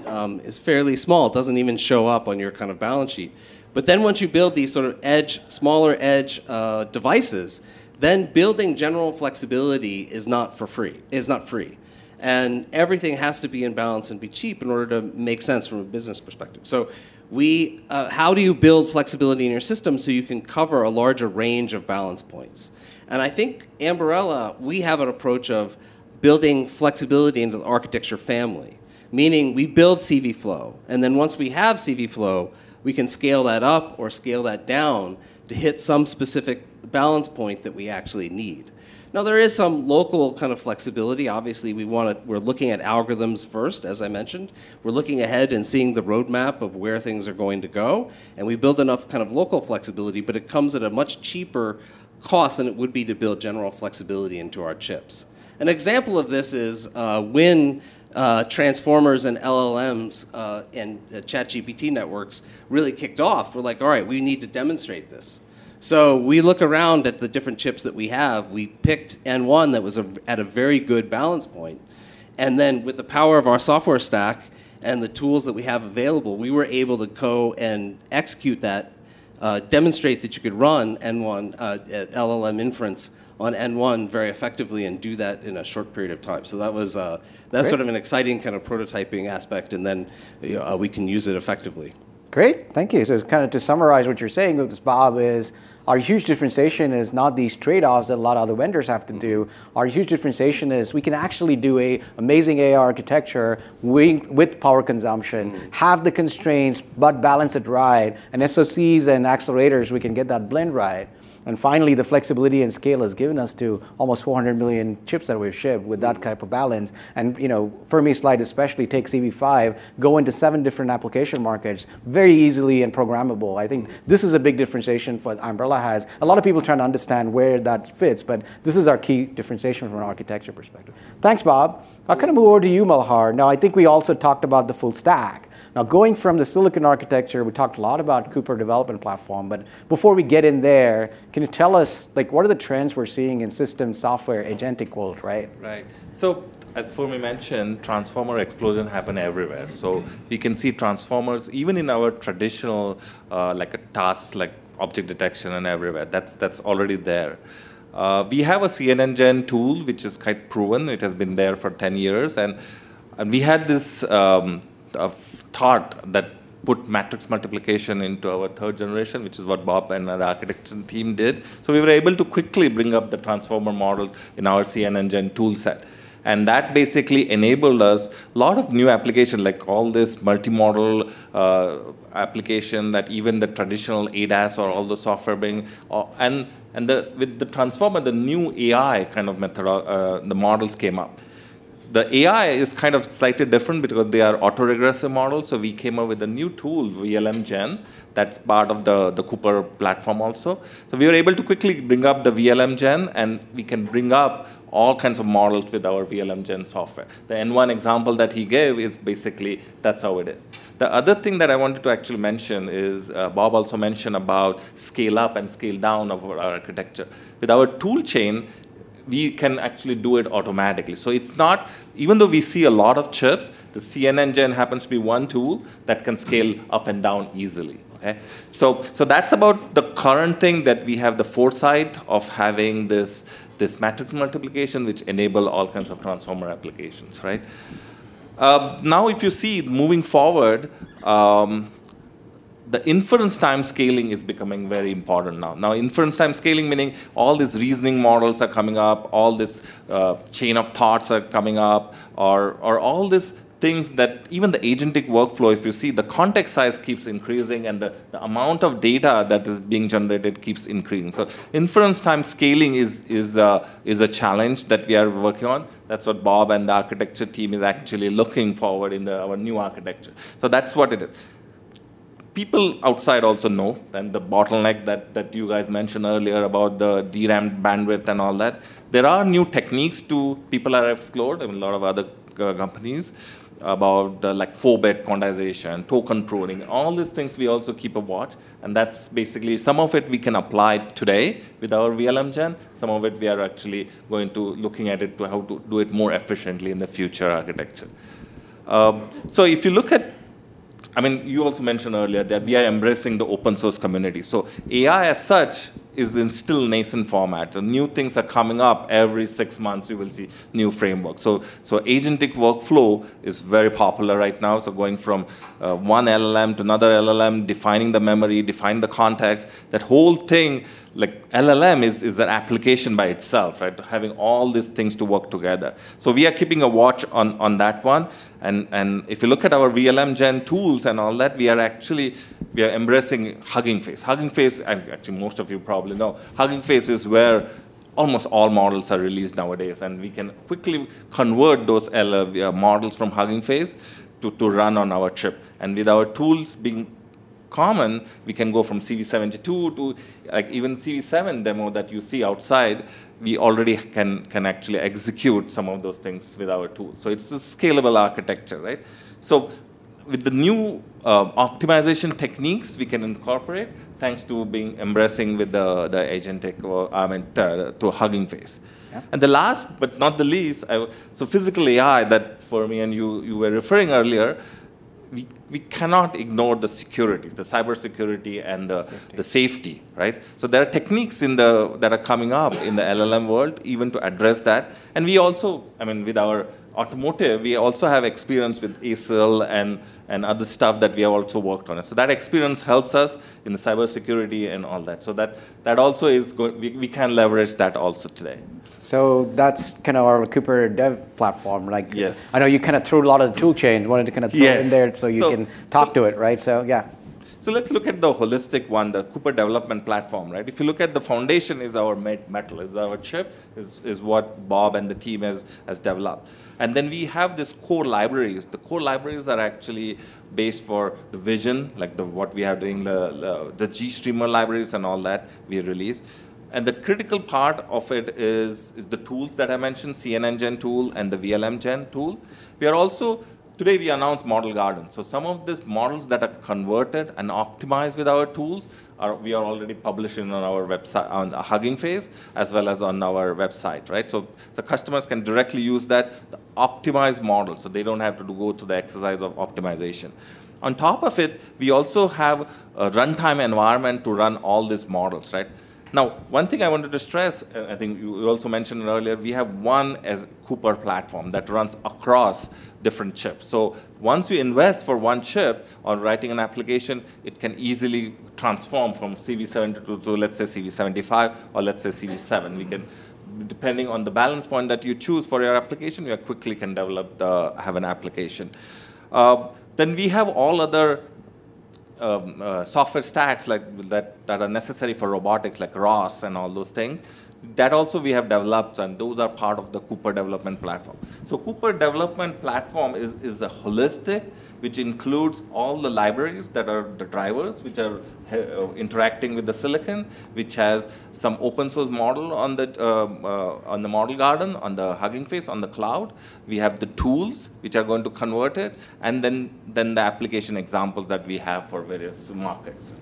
is fairly small. It doesn't even show up on your kind of balance sheet. But then once you build these sort of smaller edge devices, then building general flexibility is not free. And everything has to be in balance and be cheap in order to make sense from a business perspective. So how do you build flexibility in your system so you can cover a larger range of balance points? And I think Ambarella, we have an approach of building flexibility into the architecture family, meaning we build CVflow. Once we have CVflow, we can scale that up or scale that down to hit some specific balance point that we actually need. Now, there is some local kind of flexibility. Obviously, we're looking at algorithms first, as I mentioned. We're looking ahead and seeing the roadmap of where things are going to go. We build enough kind of local flexibility, but it comes at a much cheaper cost than it would be to build general flexibility into our chips. An example of this is when transformers and LLMs and ChatGPT networks really kicked off. We're like, "All right, we need to demonstrate this." We look around at the different chips that we have. We picked N1 that was at a very good balance point. And then with the power of our software stack and the tools that we have available, we were able to go and execute that, demonstrate that you could run LLM inference on N1 very effectively and do that in a short period of time. So that's sort of an exciting kind of prototyping aspect. And then we can use it effectively. Great. Thank you. So, kind of to summarize what you're saying, Bob, is our huge differentiation is not these trade-offs that a lot of other vendors have to do. Our huge differentiation is we can actually do an amazing AI architecture with power consumption, have the constraints, but balance it right, and SoCs and accelerators, we can get that blend right. And finally, the flexibility and scale has given us to almost 400 million chips that we've shipped with that type of balance. And for me, slide especially take CV5, go into seven different application markets very easily and programmable. I think this is a big differentiation for Ambarella. A lot of people try to understand where that fits, but this is our key differentiation from an architecture perspective. Thanks, Bob. I'll kind of move over to you, Malhar. Now, I think we also talked about the full stack. Now, going from the silicon architecture, we talked a lot about Cooper Developer Platform. But before we get in there, can you tell us what are the trends we're seeing in systems, software, agentic world, right? Right. So as Fermi mentioned, transformer explosion happened everywhere. So you can see transformers, even in our traditional tasks like object detection and everywhere, that's already there. We have a CNNGen tool, which is quite proven. It has been there for 10 years. And we had this thought that put matrix multiplication into our third generation, which is what Bob and our architecture team did. So we were able to quickly bring up the transformer model in our CNNGen toolset. And that basically enabled us a lot of new applications, like all this multimodal application that even the traditional ADAS or all the software being and with the transformer, the new AI kind of method, the models came up. The AI is kind of slightly different because they are autoregressive models. So we came up with a new tool, VLMGen, that's part of the Cooper platform also. So we were able to quickly bring up the VLMGen, and we can bring up all kinds of models with our VLMGen software. The N1 example that he gave is basically that's how it is. The other thing that I wanted to actually mention is Bob also mentioned about scale up and scale down of our architecture. With our tool chain, we can actually do it automatically. So even though we see a lot of chips, the CNNGen happens to be one tool that can scale up and down easily. So that's about the current thing that we have the foresight of having this matrix multiplication, which enables all kinds of transformer applications, right? Now, if you see moving forward, the inference time scaling is becoming very important now. Now, inference time scaling, meaning all these reasoning models are coming up, all this chain of thoughts are coming up, or all these things that even the agentic workflow, if you see, the context size keeps increasing, and the amount of data that is being generated keeps increasing. So inference time scaling is a challenge that we are working on. That's what Bob and the architecture team is actually looking forward in our new architecture. So that's what it is. People outside also know the bottleneck that you guys mentioned earlier about the DRAM bandwidth and all that. There are new techniques too people are exploring in a lot of other companies about like 4-bit quantization, token pruning, all these things we also keep a watch. And that's basically some of it we can apply today with our VLMGen. Some of it we are actually going to look at how to do it more efficiently in the future architecture. So if you look at, I mean, you also mentioned earlier that we are embracing the open source community. So AI as such is still nascent format. New things are coming up. Every six months, you will see new frameworks. So agentic workflow is very popular right now. So going from one LLM to another LLM, defining the memory, defining the context, that whole thing, like LLM is an application by itself, right? Having all these things to work together. So we are keeping a watch on that one. And if you look at our VLMGen tools and all that, we are actually embracing Hugging Face. Hugging Face, actually, most of you probably know. Hugging Face is where almost all models are released nowadays. We can quickly convert those models from Hugging Face to run on our chip. With our tools being common, we can go from CV72 to even CV7 demo that you see outside. We already can actually execute some of those things with our tools. It's a scalable architecture, right? With the new optimization techniques, we can incorporate thanks to being embracing with the agentic to Hugging Face. Last but not least, physical AI that Fermi and you were referring to earlier. We cannot ignore the security, the cybersecurity and the safety, right? There are techniques that are coming up in the LLM world even to address that. We also, I mean, with our automotive, we also have experience with ASIL and other stuff that we have also worked on. That experience helps us in the cybersecurity and all that. That also is we can leverage that also today. That's kind of our Cooper Dev platform. I know you kind of threw a lot of the tool chain. Wanted to kind of throw it in there so you can talk to it, right? Yeah. So let's look at the holistic one, the Cooper Developer Platform, right? If you look at the foundation, is our metal, is our chip, is what Bob and the team has developed. And then we have these core libraries. The core libraries are actually based for the vision, like what we are doing, the GStreamer libraries and all that we release. And the critical part of it is the tools that I mentioned, CNNGen tool and the VLMGen tool. Today, we announced Model Garden. So some of these models that are converted and optimized with our tools, we are already publishing on our website, on Hugging Face, as well as on our website, right? So the customers can directly use that optimized model so they don't have to go through the exercise of optimization. On top of it, we also have a runtime environment to run all these models, right? Now, one thing I wanted to stress, I think you also mentioned earlier, we have one Cooper platform that runs across different chips. So once you invest for one chip on writing an application, it can easily transform from CV72 to, let's say, CV75 or let's say CV7. Depending on the balance point that you choose for your application, you quickly can develop, have an application. Then we have all other software stacks that are necessary for robotics, like ROS and all those things that also we have developed. And those are part of the Cooper Development Platform. Cooper Developer Platform is a holistic, which includes all the libraries that are the drivers, which are interacting with the silicon, which has some open source model on the Model Garden, on the Hugging Face, on the cloud. We have the tools, which are going to convert it, and then the application examples that we have for various markets.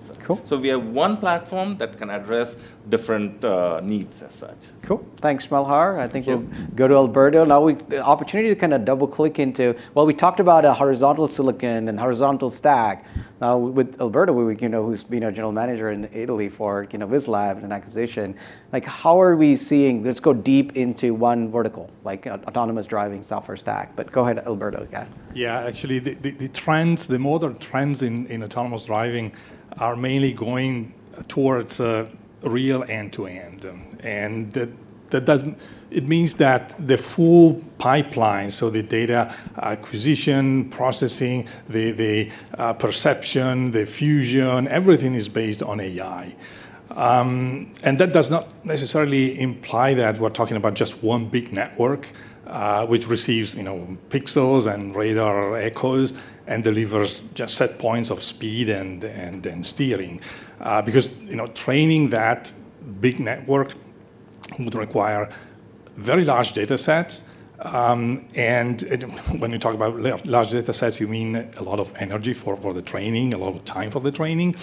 We have one platform that can address different needs as such. Cool. Thanks, Malhar. I think we'll go to Alberto. Now, the opportunity to kind of double click into, well, we talked about a horizontal silicon and horizontal stack. Now, with Alberto, who's been our General Manager in Italy for VisLab and acquisition, how are we seeing let's go deep into one vertical, like autonomous driving software stack. But go ahead, Alberto, yeah. Yeah. Actually, the trends, the modern trends in autonomous driving are mainly going towards real end to end. And it means that the full pipeline, so the data acquisition, processing, the perception, the fusion, everything is based on AI. And that does not necessarily imply that we're talking about just one big network, which receives pixels and radar echoes and delivers just set points of speed and steering. Because training that big network would require very large data sets. And when you talk about large data sets, you mean a lot of energy for the training, a lot of time for the training.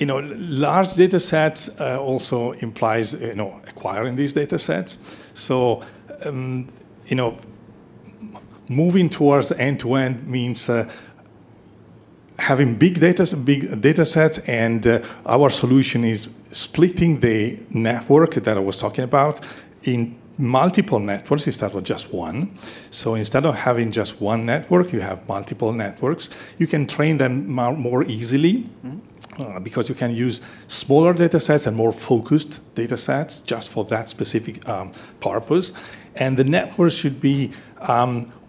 Large data sets also implies acquiring these data sets. So moving towards end to end means having big data sets. And our solution is splitting the network that I was talking about in multiple networks instead of just one. So instead of having just one network, you have multiple networks. You can train them more easily because you can use smaller data sets and more focused data sets just for that specific purpose. And the networks should be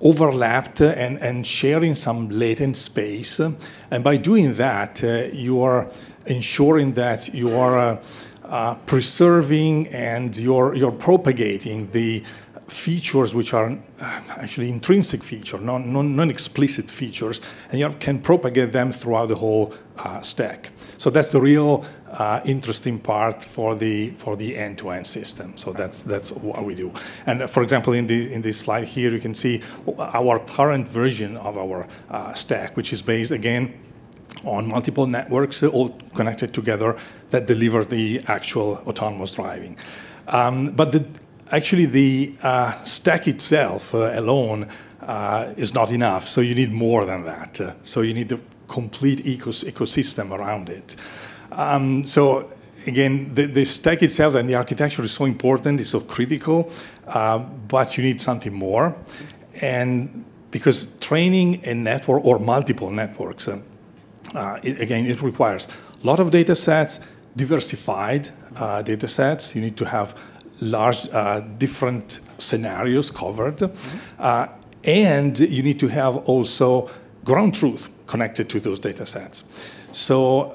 overlapped and sharing some latent space. And by doing that, you are ensuring that you are preserving and you're propagating the features, which are actually intrinsic features, non-explicit features, and you can propagate them throughout the whole stack. So that's the real interesting part for the end to end system. So that's what we do. And for example, in this slide here, you can see our current version of our stack, which is based, again, on multiple networks all connected together that deliver the actual autonomous driving. But actually, the stack itself alone is not enough. So you need more than that. So you need the complete ecosystem around it. So again, the stack itself and the architecture is so important. It's so critical. But you need something more. And because training a network or multiple networks, again, it requires a lot of data sets, diversified data sets. You need to have large different scenarios covered. And you need to have also ground truth connected to those data sets. So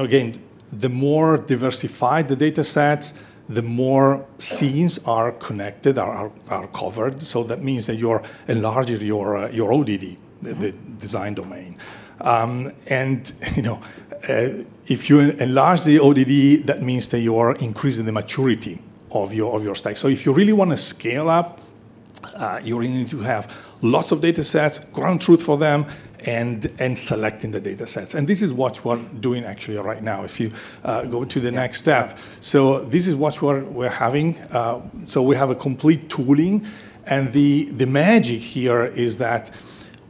again, the more diversified the data sets, the more scenes are connected, are covered. So that means that you are enlarging your ODD, the design domain. And if you enlarge the ODD, that means that you are increasing the maturity of your stack. So if you really want to scale up, you really need to have lots of data sets, ground truth for them, and selecting the data sets. And this is what we're doing actually right now. If you go to the next step, so this is what we're having, so we have a complete tooling, and the magic here is that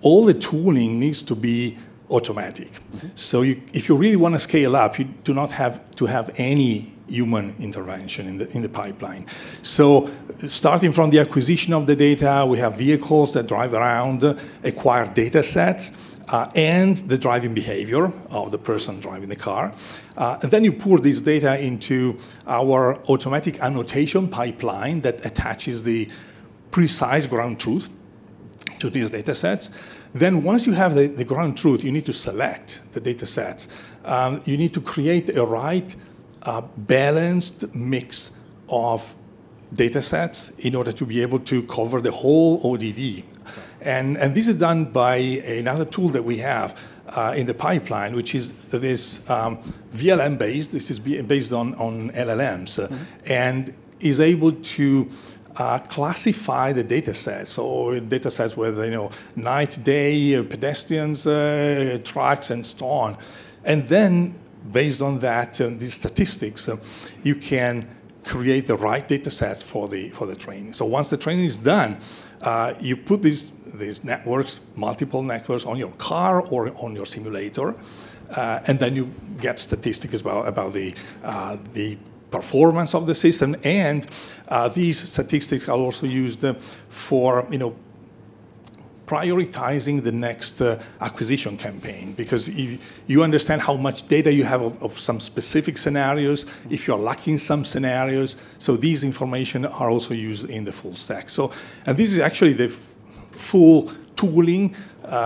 all the tooling needs to be automatic, so if you really want to scale up, you do not have to have any human intervention in the pipeline, so starting from the acquisition of the data, we have vehicles that drive around, acquire data sets, and the driving behavior of the person driving the car, and then you pour this data into our automatic annotation pipeline that attaches the precise ground truth to these data sets, then once you have the ground truth, you need to select the data sets, you need to create a right balanced mix of data sets in order to be able to cover the whole ODD. And this is done by another tool that we have in the pipeline, which is this VLM based. This is based on LLMs and is able to classify the data sets, or data sets where they know night, day, pedestrians, trucks, and so on. And then based on that, these statistics, you can create the right data sets for the training. So once the training is done, you put these networks, multiple networks, on your car or on your simulator. And then you get statistics about the performance of the system. And these statistics are also used for prioritizing the next acquisition campaign because you understand how much data you have of some specific scenarios, if you're lacking some scenarios. So these information are also used in the full stack. This is actually the full tooling,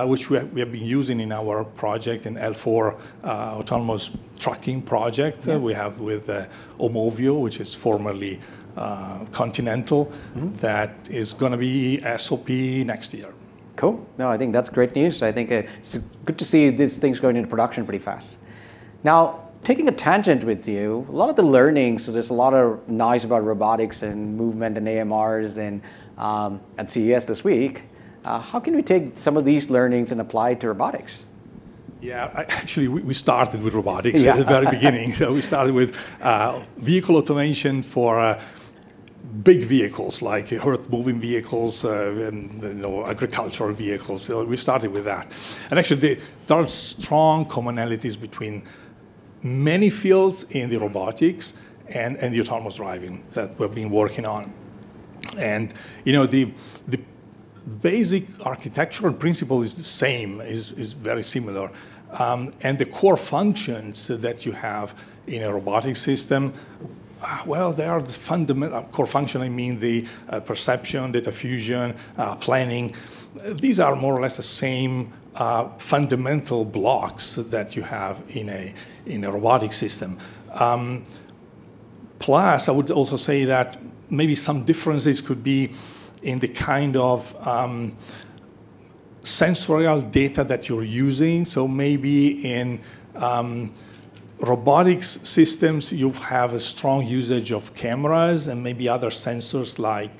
which we have been using in L4 autonomous trucking project we have with Aumovio, which is formerly Continental, that is going to be SOP next year. Cool. No, I think that's great news. I think it's good to see these things going into production pretty fast. Now, taking a tangent with you, a lot of the learnings, so there's a lot of noise about robotics and movement and AMRs and CES this week. How can we take some of these learnings and apply it to robotics? Yeah. Actually, we started with robotics at the very beginning. So we started with vehicle automation for big vehicles, like earth moving vehicles and agricultural vehicles. We started with that. And actually, there are strong commonalities between many fields in the robotics and the autonomous driving that we've been working on. And the basic architectural principle is the same, is very similar. And the core functions that you have in a robotic system, well, they are the fundamental core function. I mean, the perception, data fusion, planning, these are more or less the same fundamental blocks that you have in a robotic system. Plus, I would also say that maybe some differences could be in the kind of sensorial data that you're using. So maybe in robotics systems, you have a strong usage of cameras and maybe other sensors like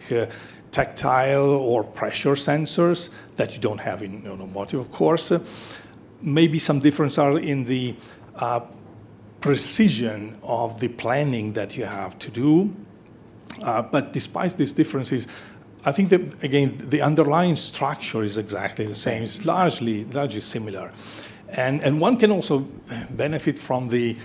tactile or pressure sensors that you don't have in automotive, of course. Maybe some differences are in the precision of the planning that you have to do. But despite these differences, I think that, again, the underlying structure is exactly the same. It's largely similar. And one can also benefit from the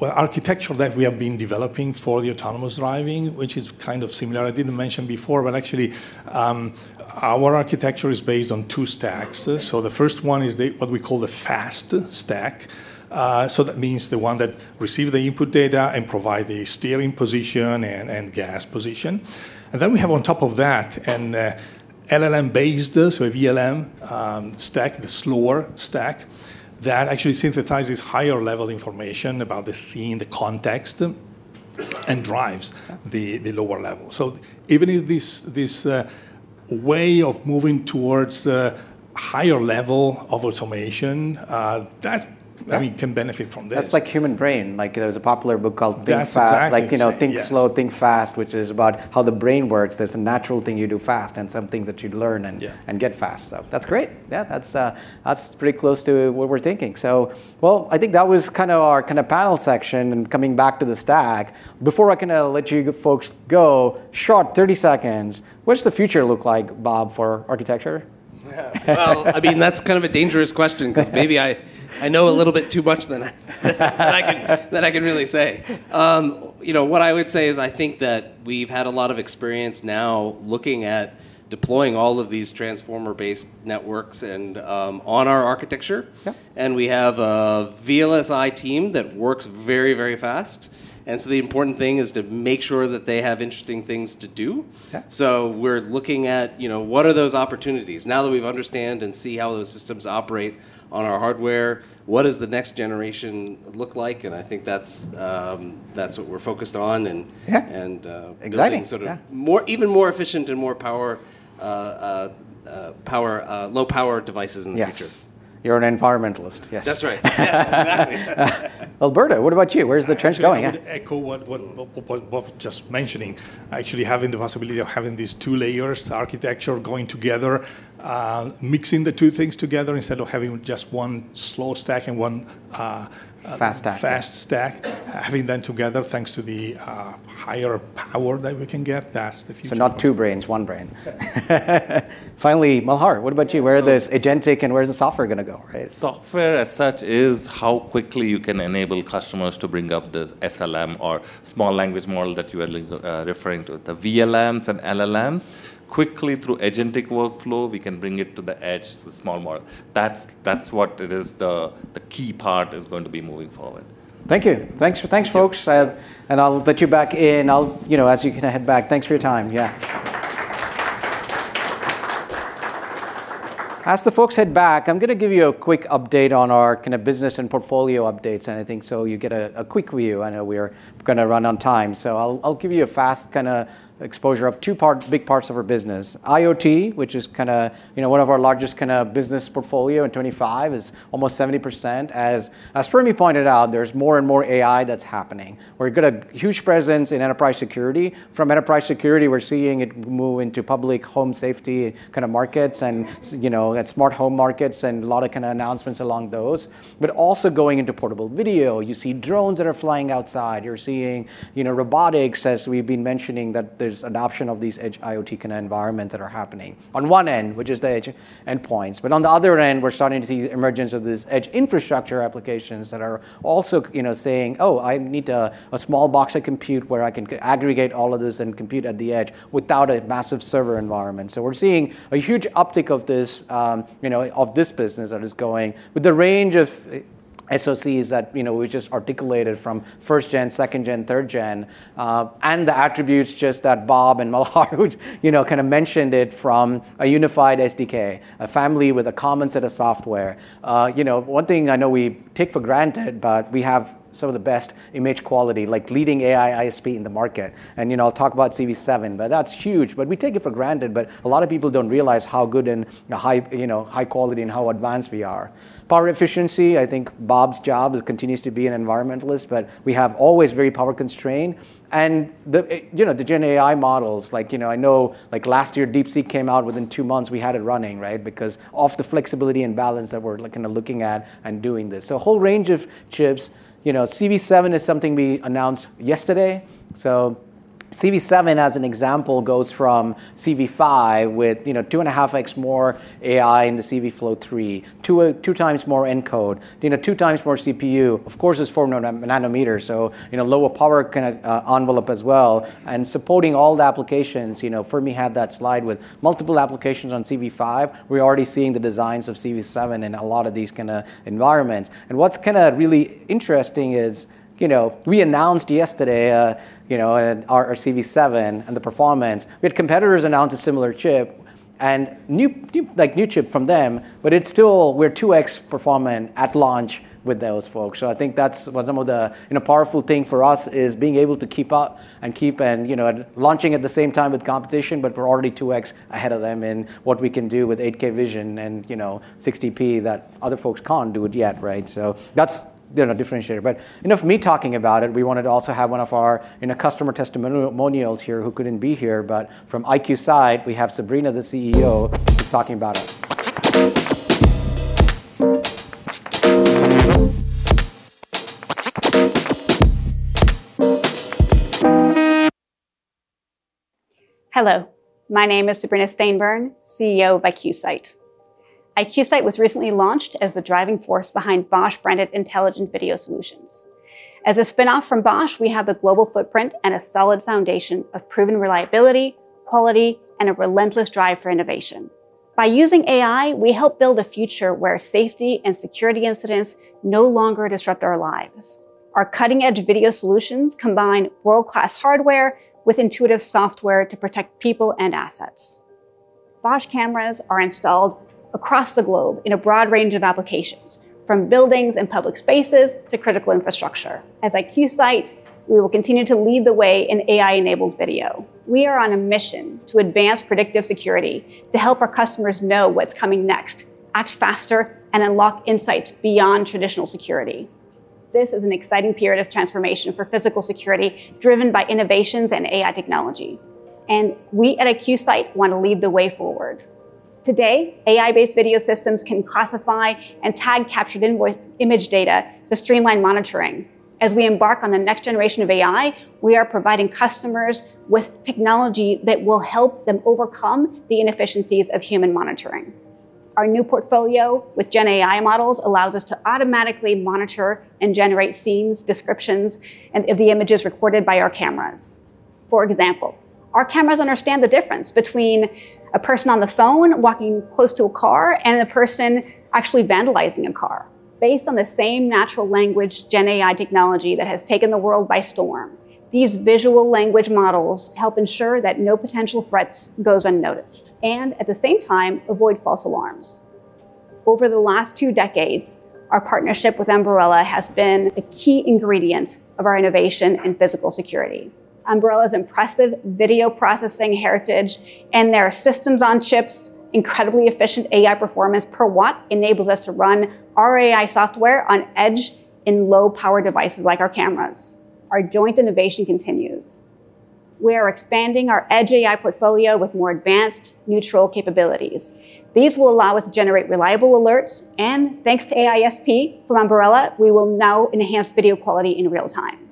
architecture that we have been developing for the autonomous driving, which is kind of similar. I didn't mention before, but actually, our architecture is based on two stacks. So the first one is what we call the fast stack. So that means the one that receives the input data and provides the steering position and gas position. And then we have on top of that an LLM-based, so a VLM stack, the slower stack, that actually synthesizes higher-level information about the scene, the context, and drives the lower level. So even in this way of moving towards a higher level of automation, that can benefit from this. That's like human brain. There was a popular book called Thinking, Fast and Slow which is about how the brain works. There's a natural thing you do fast and something that you learn and get fast. So that's great. Yeah, that's pretty close to what we're thinking. So, well, I think that was kind of our kind of panel section. And coming back to the stack, before I kind of let you folks go, short 30 seconds, what does the future look like, Bob, for architecture? I mean, that's kind of a dangerous question because maybe I know a little bit too much than I can really say. What I would say is I think that we've had a lot of experience now looking at deploying all of these transformer-based networks on our architecture. We have a VLSI team that works very, very fast. The important thing is to make sure that they have interesting things to do. We're looking at what are those opportunities now that we've understood and seen how those systems operate on our hardware; what does the next generation look like? I think that's what we're focused on and. Exciting. Sort of even more efficient and more low power devices in the future. You're an environmentalist, yes. That's right. Yes, exactly. Alberto, what about you? Where's the trench going? I would echo what Bob was just mentioning: actually having the possibility of having these two layers architecture going together, mixing the two things together instead of having just one slow stack and one. Fast stack. Fast stack, having them together thanks to the higher power that we can get. That's the future. So, not two brains, one brain. Finally, Malhar, what about you? Where are those agentic and where is the software going to go, right? Software as such is how quickly you can enable customers to bring up this SLM or small language model that you are referring to, the VLMs and LLMs. Quickly through agentic workflow, we can bring it to the edge, the small model. That's what it is, the key part is going to be moving forward. Thank you. Thanks, folks, and I'll let you back in as you can head back. Thanks for your time, yeah. As the folks head back, I'm going to give you a quick update on our kind of business and portfolio updates, and I think so you get a quick view. I know we're going to run on time, so I'll give you a fast kind of exposure of two big parts of our business. IoT, which is kind of one of our largest kind of business portfolio in 2025, is almost 70%. As Fermi pointed out, there's more and more AI that's happening. We've got a huge presence in enterprise security. From enterprise security, we're seeing it move into public home safety kind of markets and smart home markets and a lot of kind of announcements along those. But also going into portable video, you see drones that are flying outside. You're seeing robotics, as we've been mentioning, that there's adoption of these edge IoT kind of environments that are happening on one end, which is the edge endpoints. But on the other end, we're starting to see the emergence of these edge infrastructure applications that are also saying, oh, I need a small box of compute where I can aggregate all of this and compute at the edge without a massive server environment. So we're seeing a huge uptick of this business that is going with the range of SoCs that we just articulated from first gen, second gen, third gen, and the attributes just that Bob and Malhar kind of mentioned it from a unified SDK, a family with a common set of software. One thing I know we take for granted, but we have some of the best image quality, like leading AI ISP in the market, and I'll talk about CV7, but that's huge, but we take it for granted. But a lot of people don't realize how good and high quality and how advanced we are. Power efficiency, I think Bob's job continues to be an environmentalist, but we have always very power constrained. And the gen AI models, like I know last year DeepSeek came out within two months, we had it running, right? Because of the flexibility and balance that we're kind of looking at and doing this. So a whole range of chips. CV7 is something we announced yesterday. So CV7, as an example, goes from CV5 with 2.5x more AI in the CVflow 3, 2x more encode, 2x more CPU, of course, is 4 nm. So lower power kind of envelope as well. And supporting all the applications. Fermi had that slide with multiple applications on CV5. We're already seeing the designs of CV7 in a lot of these kind of environments. And what's kind of really interesting is we announced yesterday our CV7 and the performance. We had competitors announce a similar chip and new chip from them, but it's still we're 2x performance at launch with those folks. So I think that's what some of the powerful thing for us is being able to keep up and keep launching at the same time with competition, but we're already 2x ahead of them in what we can do with 8K vision and 60p that other folks can't do it yet, right? So that's the differentiator. But enough me talking about it. We wanted to also have one of our customer testimonials here who couldn't be here. But from IQSIDE, we have Sabrina, the CEO, who's talking about it. Hello. My name is Sabrina Steinborn, CEO of IQSIDE. IQSIDE was recently launched as the driving force behind Bosch branded intelligent video solutions. As a spinoff from Bosch, we have a global footprint and a solid foundation of proven reliability, quality, and a relentless drive for innovation. By using AI, we help build a future where safety and security incidents no longer disrupt our lives. Our cutting-edge video solutions combine world-class hardware with intuitive software to protect people and assets. Bosch cameras are installed across the globe in a broad range of applications, from buildings and public spaces to critical infrastructure. As IQSIDE, we will continue to lead the way in AI-enabled video. We are on a mission to advance predictive security, to help our customers know what's coming next, act faster, and unlock insights beyond traditional security. This is an exciting period of transformation for physical security driven by innovations and AI technology. We at IQSIDE want to lead the way forward. Today, AI-based video systems can classify and tag captured image data to streamline monitoring. As we embark on the next generation of AI, we are providing customers with technology that will help them overcome the inefficiencies of human monitoring. Our new portfolio with Gen AI models allows us to automatically monitor and generate scenes, descriptions, and the images recorded by our cameras. For example, our cameras understand the difference between a person on the phone walking close to a car and a person actually vandalizing a car. Based on the same natural language Gen AI technology that has taken the world by storm, these visual language models help ensure that no potential threats go unnoticed and, at the same time, avoid false alarms. Over the last two decades, our partnership with Ambarella has been a key ingredient of our innovation in physical security. Ambarella's impressive video processing heritage and their systems on chips, incredibly efficient AI performance per watt, enables us to run our AI software on edge in low-power devices like our cameras. Our joint innovation continues. We are expanding our edge AI portfolio with more advanced neural capabilities. These will allow us to generate reliable alerts. And thanks to AI ISP from Ambarella, we will now enhance video quality in real time.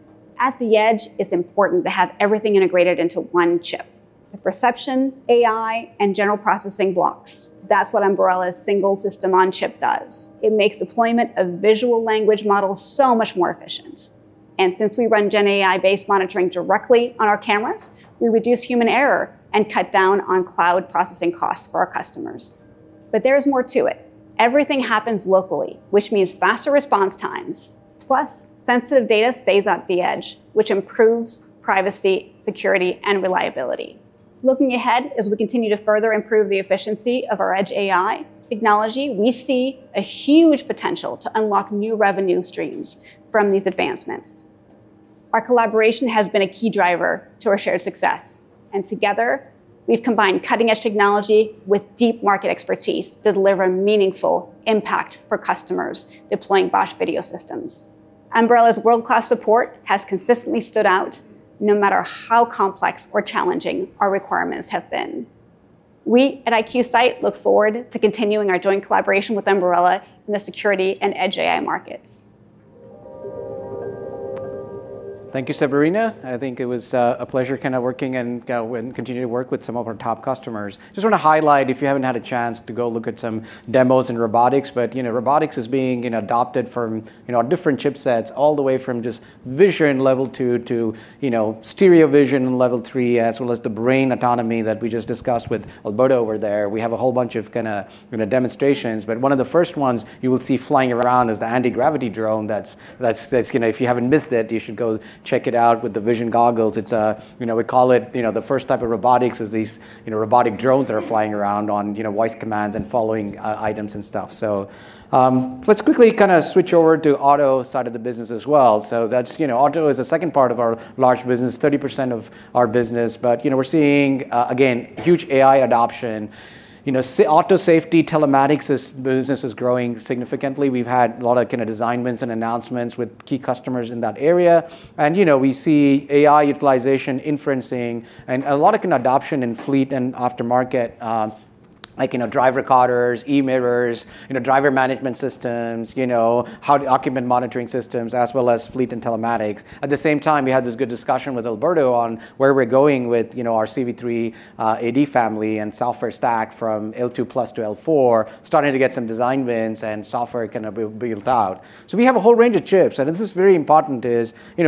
At the edge, it's important to have everything integrated into one chip: the perception, AI, and general processing blocks. That's what Ambarella's single system on chip does. It makes deployment of vision language models so much more efficient. And since we run GenAI-based monitoring directly on our cameras, we reduce human error and cut down on cloud processing costs for our customers. But there is more to it. Everything happens locally, which means faster response times. Plus, sensitive data stays at the edge, which improves privacy, security, and reliability. Looking ahead as we continue to further improve the efficiency of our Edge AI technology, we see a huge potential to unlock new revenue streams from these advancements. Our collaboration has been a key driver to our shared success. And together, we've combined cutting-edge technology with deep market expertise to deliver a meaningful impact for customers deploying Bosch video systems. Ambarella's world-class support has consistently stood out no matter how complex or challenging our requirements have been. We at IQSIDE look forward to continuing our joint collaboration with Ambarella in the security and Edge AI markets. Thank you, Sabrina. I think it was a pleasure kind of working and continue to work with some of our top customers. Just want to highlight, if you haven't had a chance to go look at some demos in robotics, but robotics is being adopted from different chipsets all the way from just vision level two to stereo vision level three, as well as the brain autonomy that we just discussed with Alberto over there. We have a whole bunch of kind of demonstrations. But one of the first ones you will see flying around is the anti-gravity drone that's, if you haven't missed it, you should go check it out with the vision goggles. We call it the first type of robotics is these robotic drones that are flying around on voice commands and following items and stuff. So let's quickly kind of switch over to auto side of the business as well. So auto is a second part of our large business, 30% of our business. But we're seeing, again, huge AI adoption. Auto safety telematics business is growing significantly. We've had a lot of kind of design wins and announcements with key customers in that area. And we see AI utilization, inferencing, and a lot of kind of adoption in fleet and aftermarket, like driver cameras, e-mirrors, driver management systems, driver document monitoring systems, as well as fleet and telematics. At the same time, we had this good discussion with Alberto on where we're going with our CV3-AD family and software stack from L2 plus to L4, starting to get some design wins and software kind of built out. So we have a whole range of chips. This is very important.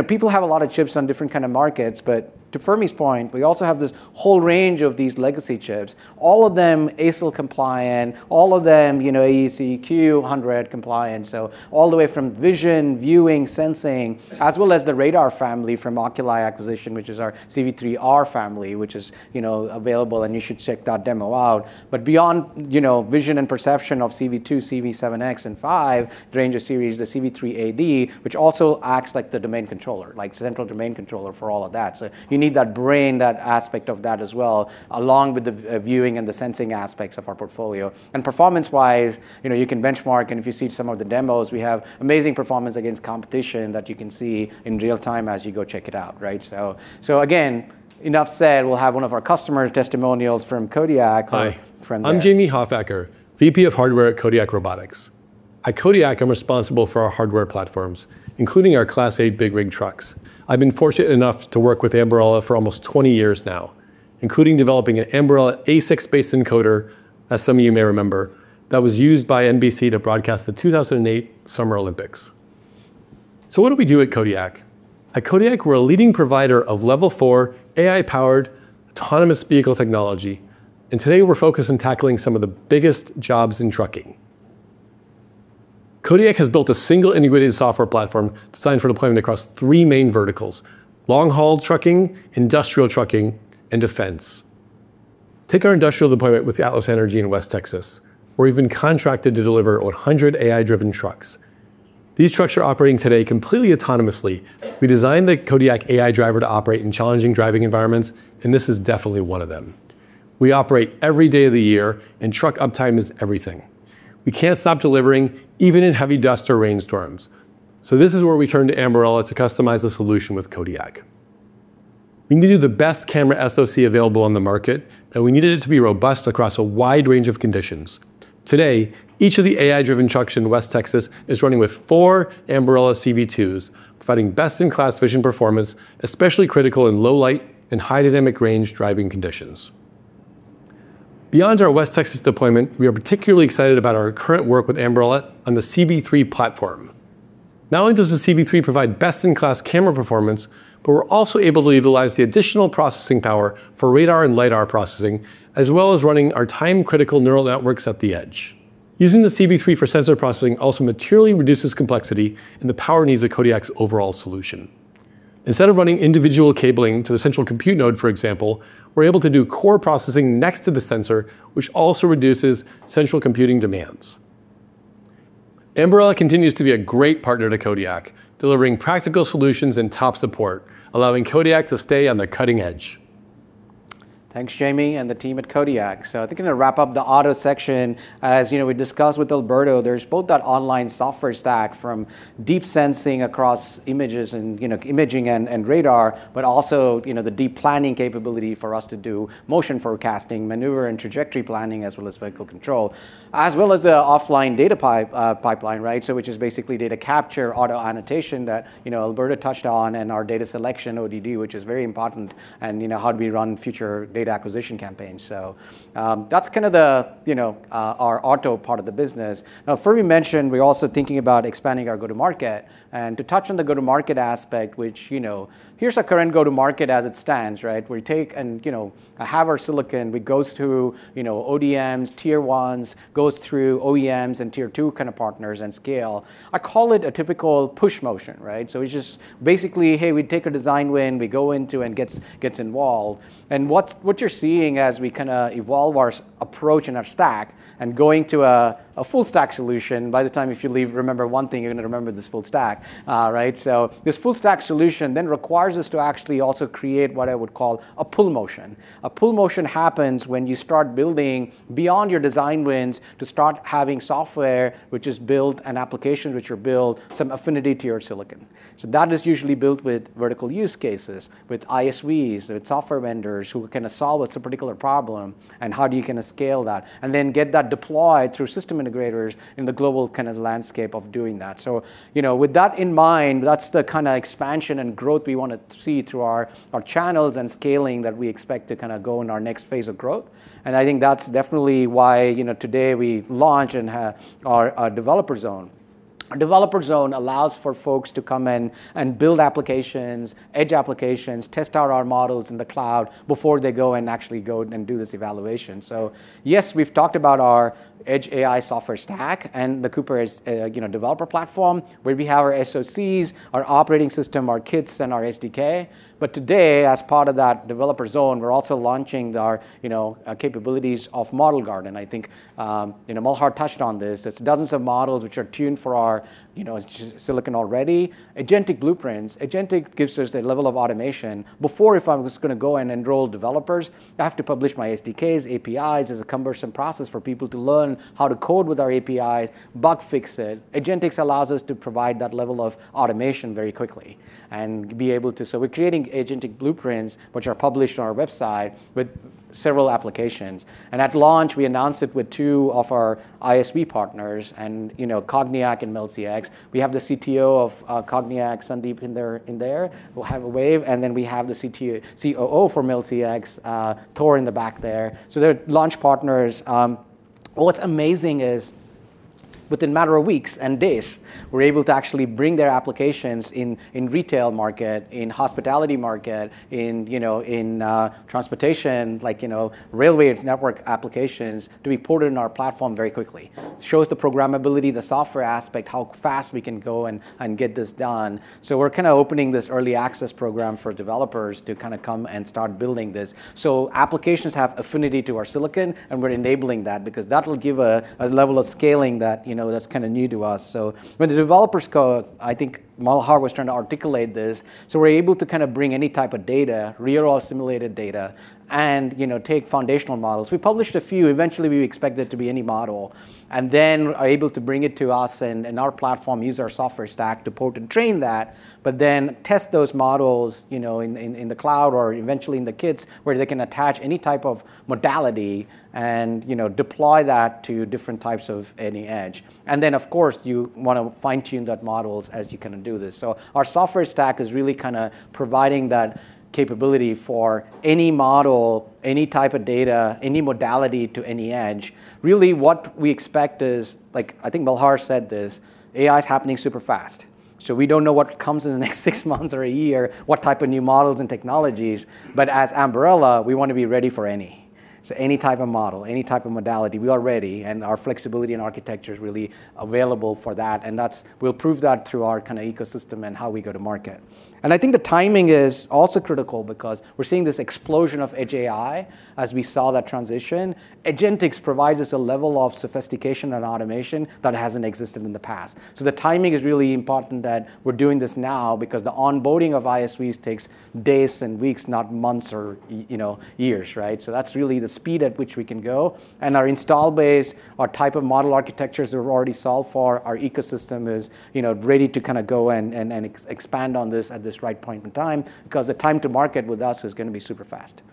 People have a lot of chips on different kind of markets. But to Fermi's point, we also have this whole range of these legacy chips, all of them ASIL compliant, all of them AEC-Q100 compliant. So all the way from vision, viewing, sensing, as well as the radar family from Oculii acquisition, which is our CV3R family, which is available, and you should check that demo out. But beyond vision and perception of CV2, CV75, and CV5, the S-Series, the CV3-AD, which also acts like the domain controller, like central domain controller for all of that. So you need that brain, that aspect of that as well, along with the viewing and the sensing aspects of our portfolio. Performance-wise, you can benchmark. And if you see some of the demos, we have amazing performance against competition that you can see in real time as you go check it out, right? So again, enough said, we'll have one of our customers' testimonials from Kodiak. Hi. I'm Jamie Hoffacker, VP of Hardware at Kodiak Robotics. At Kodiak, I'm responsible for our hardware platforms, including our Class 8 big rig trucks. I've been fortunate enough to work with Ambarella for almost 20 years now, including developing an Ambarella ASICs-based encoder, as some of you may remember, that was used by NBC to broadcast the 2008 Summer Olympics. So what do we do at Kodiak? At Kodiak, we're a leading provider of level four AI-powered autonomous vehicle technology, and today, we're focused on tackling some of the biggest jobs in trucking. Kodiak has built a single integrated software platform designed for deployment across three main verticals: long-haul trucking, industrial trucking, and defense. Take our industrial deployment with Atlas Energy in West Texas, where we've been contracted to deliver 100 AI-driven trucks. These trucks are operating today completely autonomously. We designed the Kodiak AI driver to operate in challenging driving environments, and this is definitely one of them. We operate every day of the year, and truck uptime is everything. We can't stop delivering, even in heavy dust or rainstorms. So this is where we turned to Ambarella to customize the solution with Kodiak. We needed the best camera SoC available on the market, and we needed it to be robust across a wide range of conditions. Today, each of the AI-driven trucks in West Texas is running with four Ambarella CV2s, providing best-in-class vision performance, especially critical in low-light and high-dynamic range driving conditions. Beyond our West Texas deployment, we are particularly excited about our current work with Ambarella on the CV3 platform. Not only does the CV3 provide best-in-class camera performance, but we're also able to utilize the additional processing power for radar and lidar processing, as well as running our time-critical neural networks at the edge. Using the CV3 for sensor processing also materially reduces complexity and the power needs of Kodiak's overall solution. Instead of running individual cabling to the central compute node, for example, we're able to do core processing next to the sensor, which also reduces central computing demands. Ambarella continues to be a great partner to Kodiak, delivering practical solutions and top support, allowing Kodiak to stay on the cutting edge. Thanks, Jamie, and the team at Kodiak. So I think I'm going to wrap up the auto section. As we discussed with Alberto, there's both that online software stack from deep sensing across images and imaging and radar, but also the deep planning capability for us to do motion forecasting, maneuver and trajectory planning, as well as vehicle control, as well as the offline data pipeline, right? So which is basically data capture, auto annotation that Alberto touched on, and our data selection ODD, which is very important, and how do we run future data acquisition campaigns. So that's kind of our auto part of the business. Now, Fermi mentioned we're also thinking about expanding our go-to-market. And to touch on the go-to-market aspect, which here's our current go-to-market as it stands, right? We take and have our silicon, which goes through ODMs, tier ones, goes through OEMs and tier two kind of partners and scale. I call it a typical push motion, right, so it's just basically, hey, we take a design win, we go into and gets involved, and what you're seeing as we kind of evolve our approach and our stack and going to a full-stack solution. By the time if you leave, remember one thing, you're going to remember this full stack, right, so this full-stack solution then requires us to actually also create what I would call a pull motion. A pull motion happens when you start building beyond your design wins to start having software, which is built and applications, which are built some affinity to your silicon. So that is usually built with vertical use cases, with ISVs, with software vendors who can solve a particular problem, and how do you kind of scale that, and then get that deployed through system integrators in the global kind of landscape of doing that. So with that in mind, that's the kind of expansion and growth we want to see through our channels and scaling that we expect to kind of go in our next phase of growth. And I think that's definitely why today we launched our developer zone. Our developer zone allows for folks to come in and build applications, edge applications, test out our models in the cloud before they go and actually go and do this evaluation. So yes, we've talked about our Edge AI software stack and the Cooper Developer Platform, where we have our SoCs, our operating system, our kits, and our SDK. But today, as part of that developer zone, we're also launching our capabilities of Model Garden, and I think Malhar touched on this. It's dozens of models which are tuned for our silicon already. Agentic blueprints, agentic gives us a level of automation. Before, if I was going to go and enroll developers, I have to publish my SDKs, APIs. It's a cumbersome process for people to learn how to code with our APIs, bug fix it. Agentic allows us to provide that level of automation very quickly and be able to, so we're creating agentic blueprints, which are published on our website with several applications, and at launch, we announced it with two of our ISV partners, Cogniac and MeldCX. We have the CTO of Cogniac, Sandip, in there. We'll have a wave, and then we have the COO for MeldCX, Thor, in the back there. So they're launch partners. What's amazing is within a matter of weeks and days, we're able to actually bring their applications in retail market, in hospitality market, in transportation, like railway network applications, to be ported in our platform very quickly. It shows the programmability, the software aspect, how fast we can go and get this done. So we're kind of opening this early access program for developers to kind of come and start building this. So applications have affinity to our silicon, and we're enabling that because that'll give a level of scaling that's kind of new to us. So when the developers go, I think Malhar was trying to articulate this. So we're able to kind of bring any type of data, real or simulated data, and take foundational models. We published a few. Eventually, we expect there to be any model. And then are able to bring it to us and our platform, use our software stack to port and train that, but then test those models in the cloud or eventually in the kits, where they can attach any type of modality and deploy that to different types of any edge. And then, of course, you want to fine-tune those models as you kind of do this. So our software stack is really kind of providing that capability for any model, any type of data, any modality to any edge. Really, what we expect is, like I think Malhar said this, AI is happening super fast. So we don't know what comes in the next six months or a year, what type of new models and technologies. But as Ambarella, we want to be ready for any. So any type of model, any type of modality, we are ready. Our flexibility and architecture is really available for that. We'll prove that through our kind of ecosystem and how we go to market. I think the timing is also critical because we're seeing this explosion of edge AI as we saw that transition. Agentic AI provides us a level of sophistication and automation that hasn't existed in the past. The timing is really important that we're doing this now because the onboarding of ISVs takes days and weeks, not months or years, right? That's really the speed at which we can go. Our install base, our type of model architectures that we've already solved for our ecosystem is ready to kind of go and expand on this at this right point in time because the time to market with us is going to be super fast.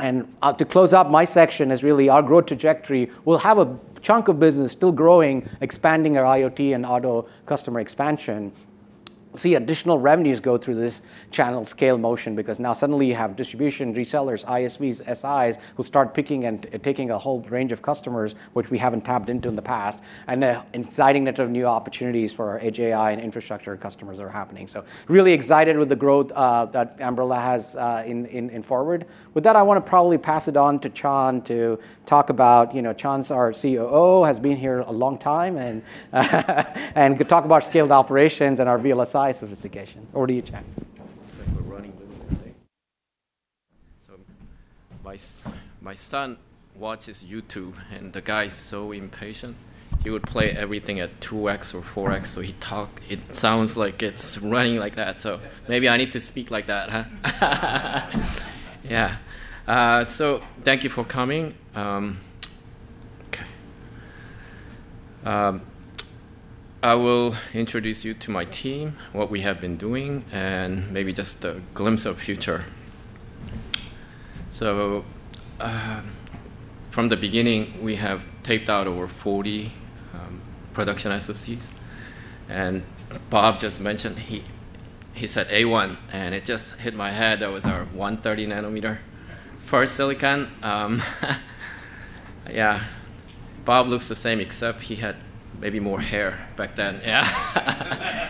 And to close up my section is really our growth trajectory. We'll have a chunk of business still growing, expanding our IoT and auto customer expansion. See additional revenues go through this channel scale motion because now suddenly you have distribution, resellers, ISVs, SIs who start picking and taking a whole range of customers, which we haven't tapped into in the past, and exciting network new opportunities for our edge AI and infrastructure customers that are happening. So really excited with the growth that Ambarella has in forward. With that, I want to probably pass it on to Chan to talk about. Chan's our COO, has been here a long time, and could talk about scaled operations and our VLSI sophistication. Over to you, Chan. Thanks for running with me today. My son watches YouTube, and the guy is so impatient. He would play everything at 2x or 4x, so he talks. It sounds like it's running like that. Maybe I need to speak like that, huh? Yeah. Thank you for coming. OK. I will introduce you to my team, what we have been doing, and maybe just a glimpse of the future. From the beginning, we have taped out over 40 production SoCs. Bob just mentioned he said A1, and it just hit my head. That was our 130 nm first silicon. Yeah. Bob looks the same, except he had maybe more hair back then. Yeah.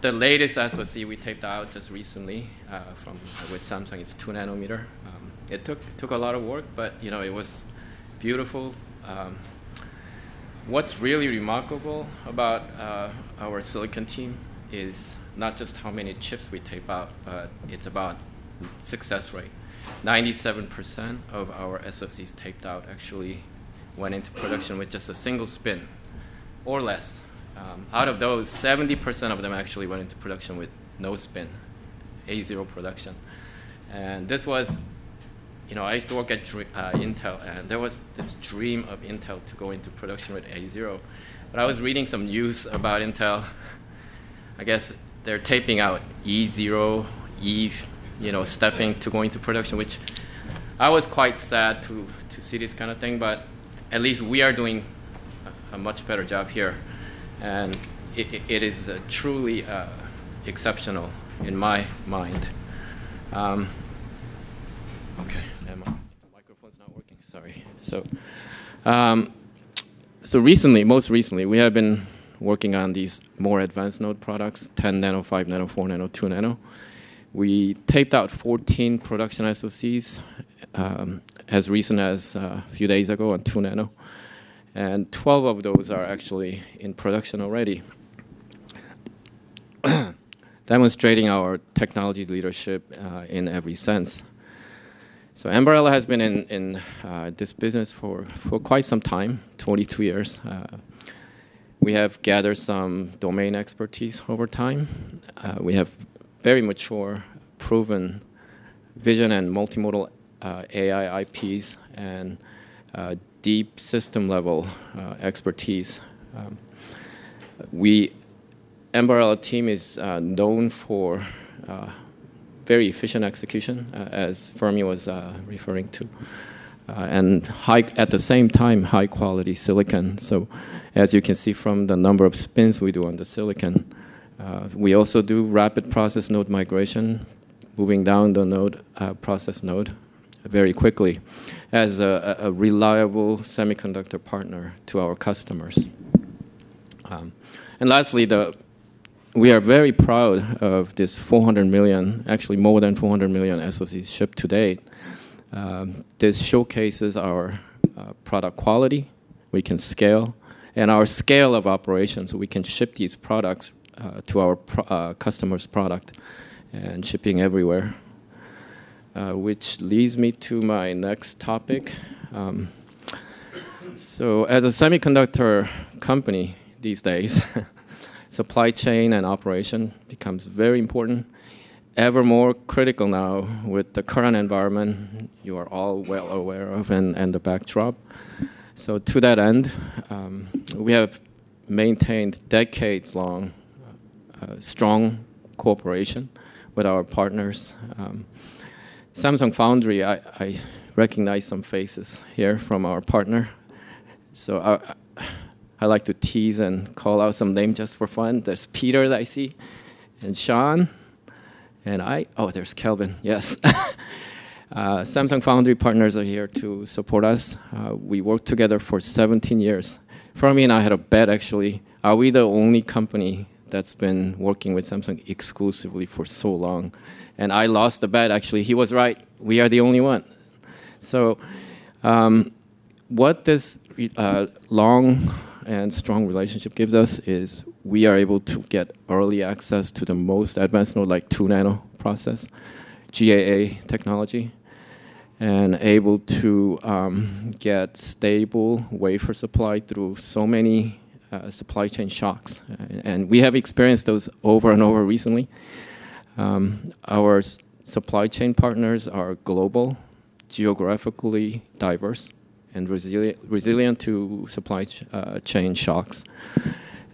The latest SOC we taped out just recently with Samsung is 2 nm. It took a lot of work, but it was beautiful. What's really remarkable about our silicon team is not just how many chips we tape out, but it's about success rate. 97% of our SoCs taped out actually went into production with just a single spin or less. Out of those, 70% of them actually went into production with no spin, A0 production. And this was. I used to work at Intel, and there was this dream of Intel to go into production with A0. But I was reading some news about Intel. I guess they're taping out E0, E-stepping to go into production, which I was quite sad to see this kind of thing. But at least we are doing a much better job here. And it is truly exceptional in my mind. OK. The microphone's not working. Sorry. So most recently, we have been working on these more advanced node products, 10 nano, 5 nano, 4 nano, 2 nano. We taped out 14 production SoCs as recent as a few days ago on 2 nano. And 12 of those are actually in production already, demonstrating our technology leadership in every sense. So Ambarella has been in this business for quite some time, 22 years. We have gathered some domain expertise over time. We have very mature, proven vision and multimodal AI IPs and deep system-level expertise. Ambarella team is known for very efficient execution, as Fermi was referring to, and at the same time, high-quality silicon. So as you can see from the number of spins we do on the silicon, we also do rapid process node migration, moving down the process node very quickly as a reliable semiconductor partner to our customers. Lastly, we are very proud of this 400 million, actually more than 400 million SoCs shipped to date. This showcases our product quality. We can scale. Our scale of operations, we can ship these products to our customers' product and shipping everywhere, which leads me to my next topic. As a semiconductor company these days, supply chain and operation becomes very important, ever more critical now with the current environment you are all well aware of and the backdrop. To that end, we have maintained decades-long strong cooperation with our partners. Samsung Foundry, I recognize some faces here from our partner. I like to tease and call out some names just for fun. There's Peter that I see, and Sean. I, oh, there's Kelvin. Yes. Samsung Foundry partners are here to support us. We worked together for 17 years. Fermi and I had a bet, actually. Are we the only company that's been working with Samsung exclusively for so long? And I lost the bet, actually. He was right. We are the only one. So what this long and strong relationship gives us is we are able to get early access to the most advanced node, like 2 nano process, GAA technology, and able to get stable wafer supply through so many supply chain shocks. And we have experienced those over and over recently. Our supply chain partners are global, geographically diverse, and resilient to supply chain shocks.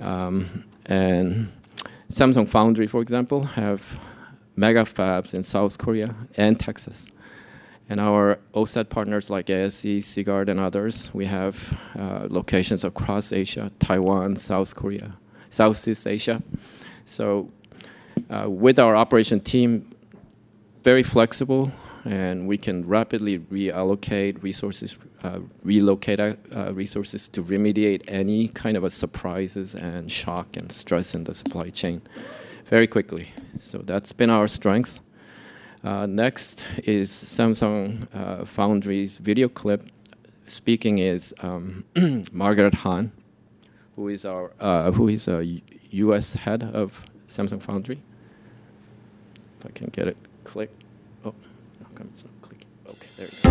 And Samsung Foundry, for example, have mega fabs in South Korea and Texas. And our OSAT partners, like ASE, Sigurd, and others, we have locations across Asia, Taiwan, South Korea, Southeast Asia. So with our operation team, very flexible, and we can rapidly relocate resources to remediate any kind of surprises and shock and stress in the supply chain very quickly. So that's been our strength. Next is Samsung Foundry's video clip. Speaking is Margaret Han, who is a U.S. head of Samsung Foundry. If I can get it to click. Oh, it's not clicking. OK, there it is.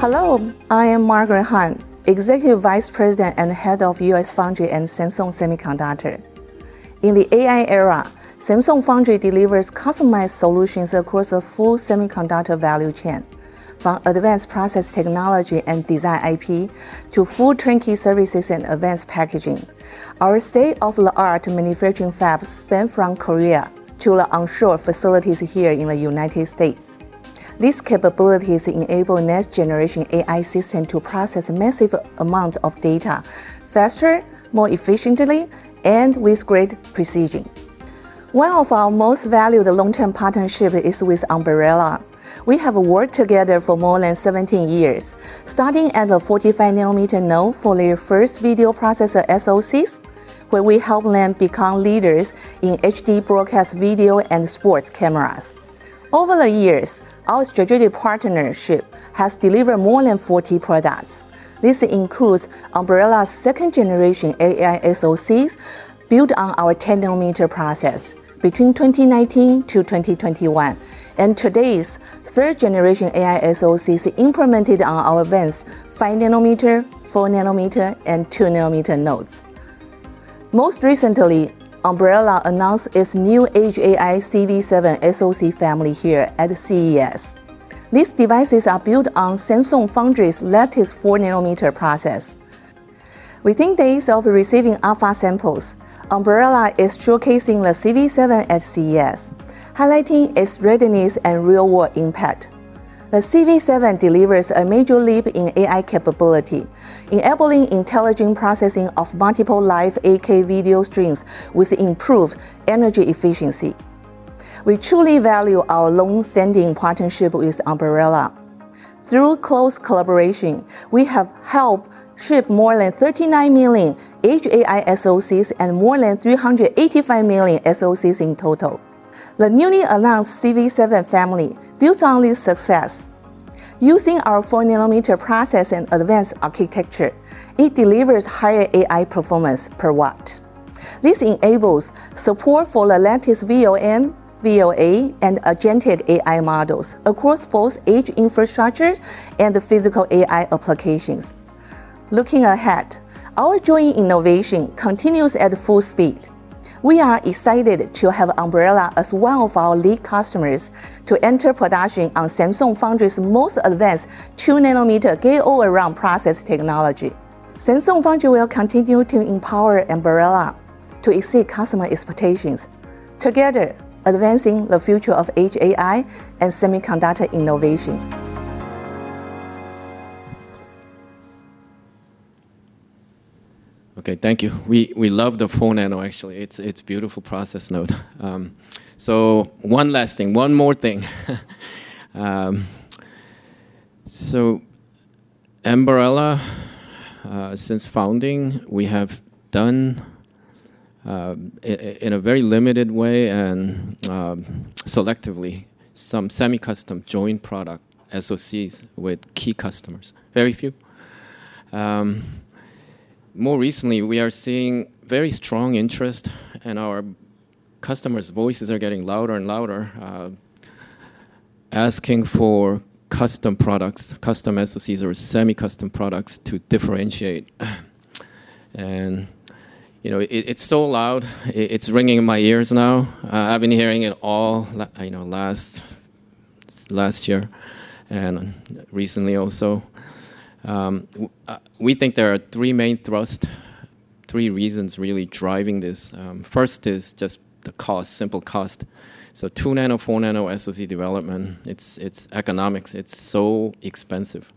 Hello. I am Margaret Han, Executive Vice President and Head of U.S. Foundry at Samsung Semiconductor. In the AI era, Samsung Foundry delivers customized solutions across a full semiconductor value chain, from advanced process technology and design IP to full turnkey services and advanced packaging. Our state-of-the-art manufacturing fabs span from Korea to the onshore facilities here in the United States. These capabilities enable next-generation AI systems to process massive amounts of data faster, more efficiently, and with great precision. One of our most valued long-term partnerships is with Ambarella. We have worked together for more than 17 years, starting at a 45 nm node for their first video processor SoCs, where we helped them become leaders in HD broadcast video and sports cameras. Over the years, our strategic partnership has delivered more than 40 products. This includes Ambarella's second-generation AI SoCs built on our 10 nm process between 2019 to 2021, and today's third-generation AI SoCs implemented on our advanced 5 nm, 4 nm, and 2 nm nodes. Most recently, Ambarella announced its new edge AI CV7 SoC family here at CES. These devices are built on Samsung Foundry's latest 4 nm process. Within days of receiving alpha samples, Ambarella is showcasing the CV7 at CES, highlighting its readiness and real-world impact. The CV7 delivers a major leap in AI capability, enabling intelligent processing of multiple live 8K video streams with improved energy efficiency. We truly value our long-standing partnership with Ambarella. Through close collaboration, we have helped ship more than 39 million edge AI SoCs and more than 385 million SoCs in total. The newly announced CV7 family, built on this success, using our 4 nm process and advanced architecture, delivers higher AI performance per watt. This enables support for the latest VLM, VLA, and agentic AI models across both edge infrastructures and physical AI applications. Looking ahead, our joint innovation continues at full speed. We are excited to have Ambarella, as well as our lead customers, enter production on Samsung Foundry's most advanced 2 nm gate-all-around process technology. Samsung Foundry will continue to empower Ambarella to exceed customer expectations, together advancing the future of edge AI and semiconductor innovation. OK, thank you. We love the 4 nano, actually. It's a beautiful process node. So one last thing, one more thing. So Ambarella, since founding, we have done, in a very limited way and selectively, some semi-custom joint product SoCs with key customers, very few. More recently, we are seeing very strong interest, and our customers' voices are getting louder and louder, asking for custom products, custom SoCs, or semi-custom products to differentiate. And it's so loud. It's ringing in my ears now. I've been hearing it all last year, and recently also. We think there are three main thrusts, three reasons really driving this. First is just the cost, simple cost. So 2 nano, 4 nano SoC development, it's economics. It's so expensive.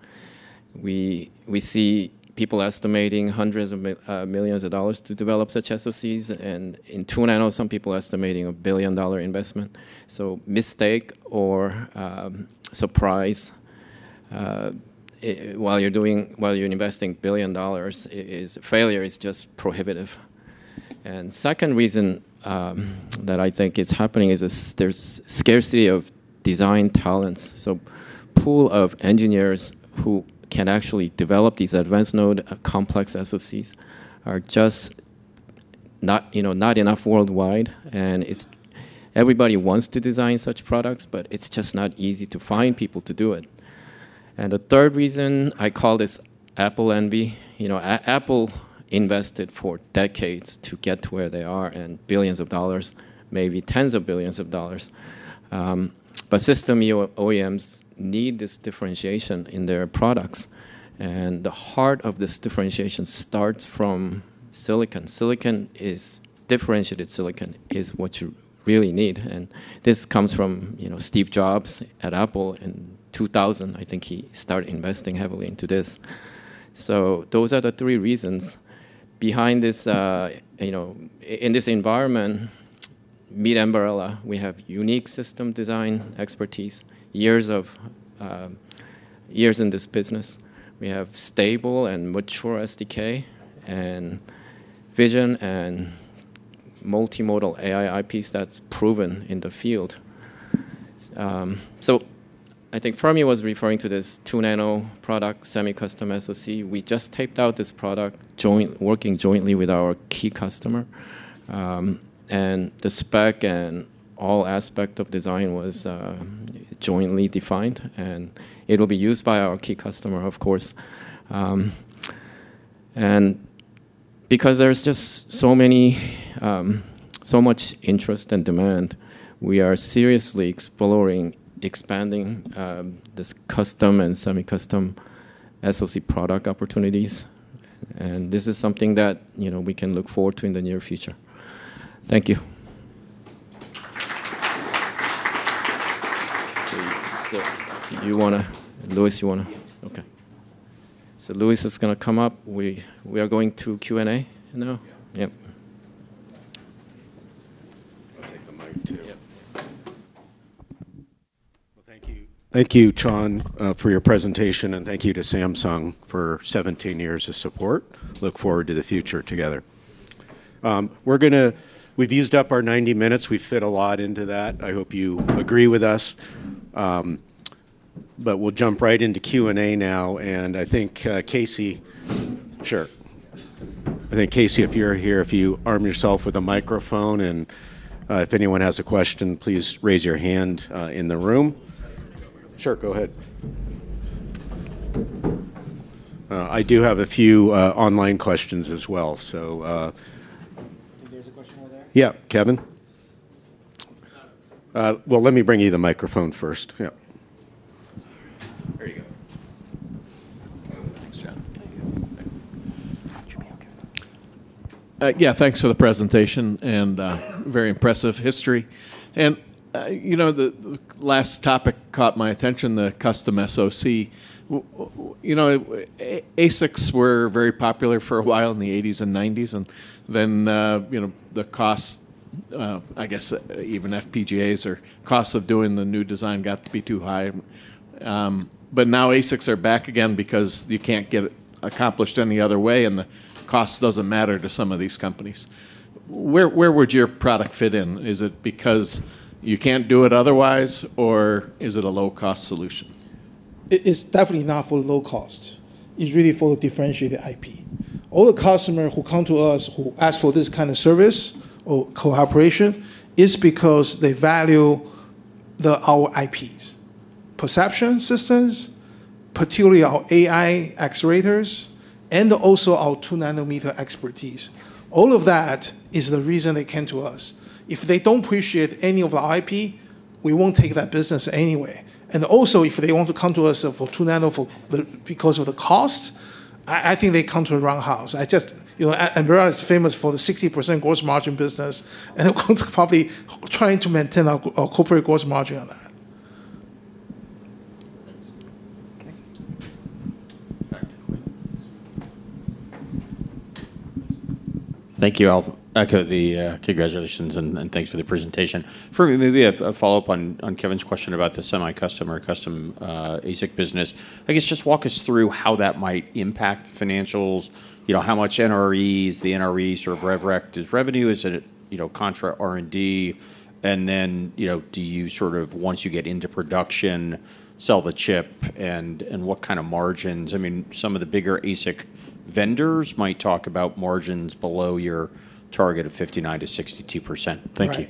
We see people estimating hundreds of millions of dollars to develop such SoCs. And in 2 nano, some people are estimating a billion-dollar investment. So, mistake or surprise while you're investing $1 billion is failure. It's just prohibitive. And the second reason that I think is happening is there's scarcity of design talents. So, a pool of engineers who can actually develop these advanced node, complex SoCs, are just not enough worldwide. And everybody wants to design such products, but it's just not easy to find people to do it. And the third reason, I call this Apple envy. Apple invested for decades to get to where they are, and billions of dollars, maybe tens of billions of dollars. But system OEMs need this differentiation in their products. And the heart of this differentiation starts from silicon. Silicon is differentiated; silicon is what you really need. And this comes from Steve Jobs at Apple in 2000. I think he started investing heavily into this. So those are the three reasons behind this. In this environment, meet Ambarella. We have unique system design expertise, years in this business. We have stable and mature SDK and vision and multimodal AI IPs that's proven in the field. So I think Fermi was referring to this 2nm product semi-custom SoC. We just taped out this product, working jointly with our key customer. And the spec and all aspects of design were jointly defined. And it will be used by our key customer, of course. And because there's just so much interest and demand, we are seriously exploring expanding this custom and semi-custom SoC product opportunities. And this is something that we can look forward to in the near future. Thank you. So you want to, Louis, you want to? OK. So Louis is going to come up. We are going to Q&A now? Yep. I'll take the mic too. Thank you. Thank you, Chan, for your presentation, and thank you to Samsung for 17 years of support. Look forward to the future together. We've used up our 90 minutes. We fit a lot into that. I hope you agree with us, but we'll jump right into Q&A now. And I think, Casey. Sure. If you're here, if you arm yourself with a microphone, and if anyone has a question, please raise your hand in the room. Sure, go ahead. I do have a few online questions as well. There's a question over there? Yeah, Kevin. Well, let me bring you the microphone first. Yeah. There you go. Thanks, Chan. Thank you. Yeah, thanks for the presentation and very impressive history. And the last topic caught my attention, the custom SoC. ASICs were very popular for a while in the '80s and '90s. And then the cost, I guess even FPGAs, or costs of doing the new design got to be too high. But now ASICs are back again because you can't get it accomplished any other way. And the cost doesn't matter to some of these companies. Where would your product fit in? Is it because you can't do it otherwise, or is it a low-cost solution? It's definitely not for low cost. It's really for differentiated IP. All the customers who come to us, who ask for this kind of service or cooperation, it's because they value our IPs, perception systems, particularly our AI accelerators, and also our 2 nm expertise. All of that is the reason they came to us. If they don't appreciate any of our IP, we won't take that business anyway. And also, if they want to come to us for 2 nano because of the cost, I think they come to the wrong house. Ambarella is famous for the 60% gross margin business, and they're probably trying to maintain our corporate gross margin on that. Thank you. Thank you. I'll echo the congratulations and thanks for the presentation. Fermi, maybe a follow-up on Kevin's question about the semi-custom or custom ASIC business. I guess just walk us through how that might impact financials, how much NRE is the NRE sort of revenue? Is revenue, is it contra R&D? And then do you, sort of once you get into production, sell the chip? And what kind of margins? I mean, some of the bigger ASIC vendors might talk about margins below your target of 59%-62%. Thank you.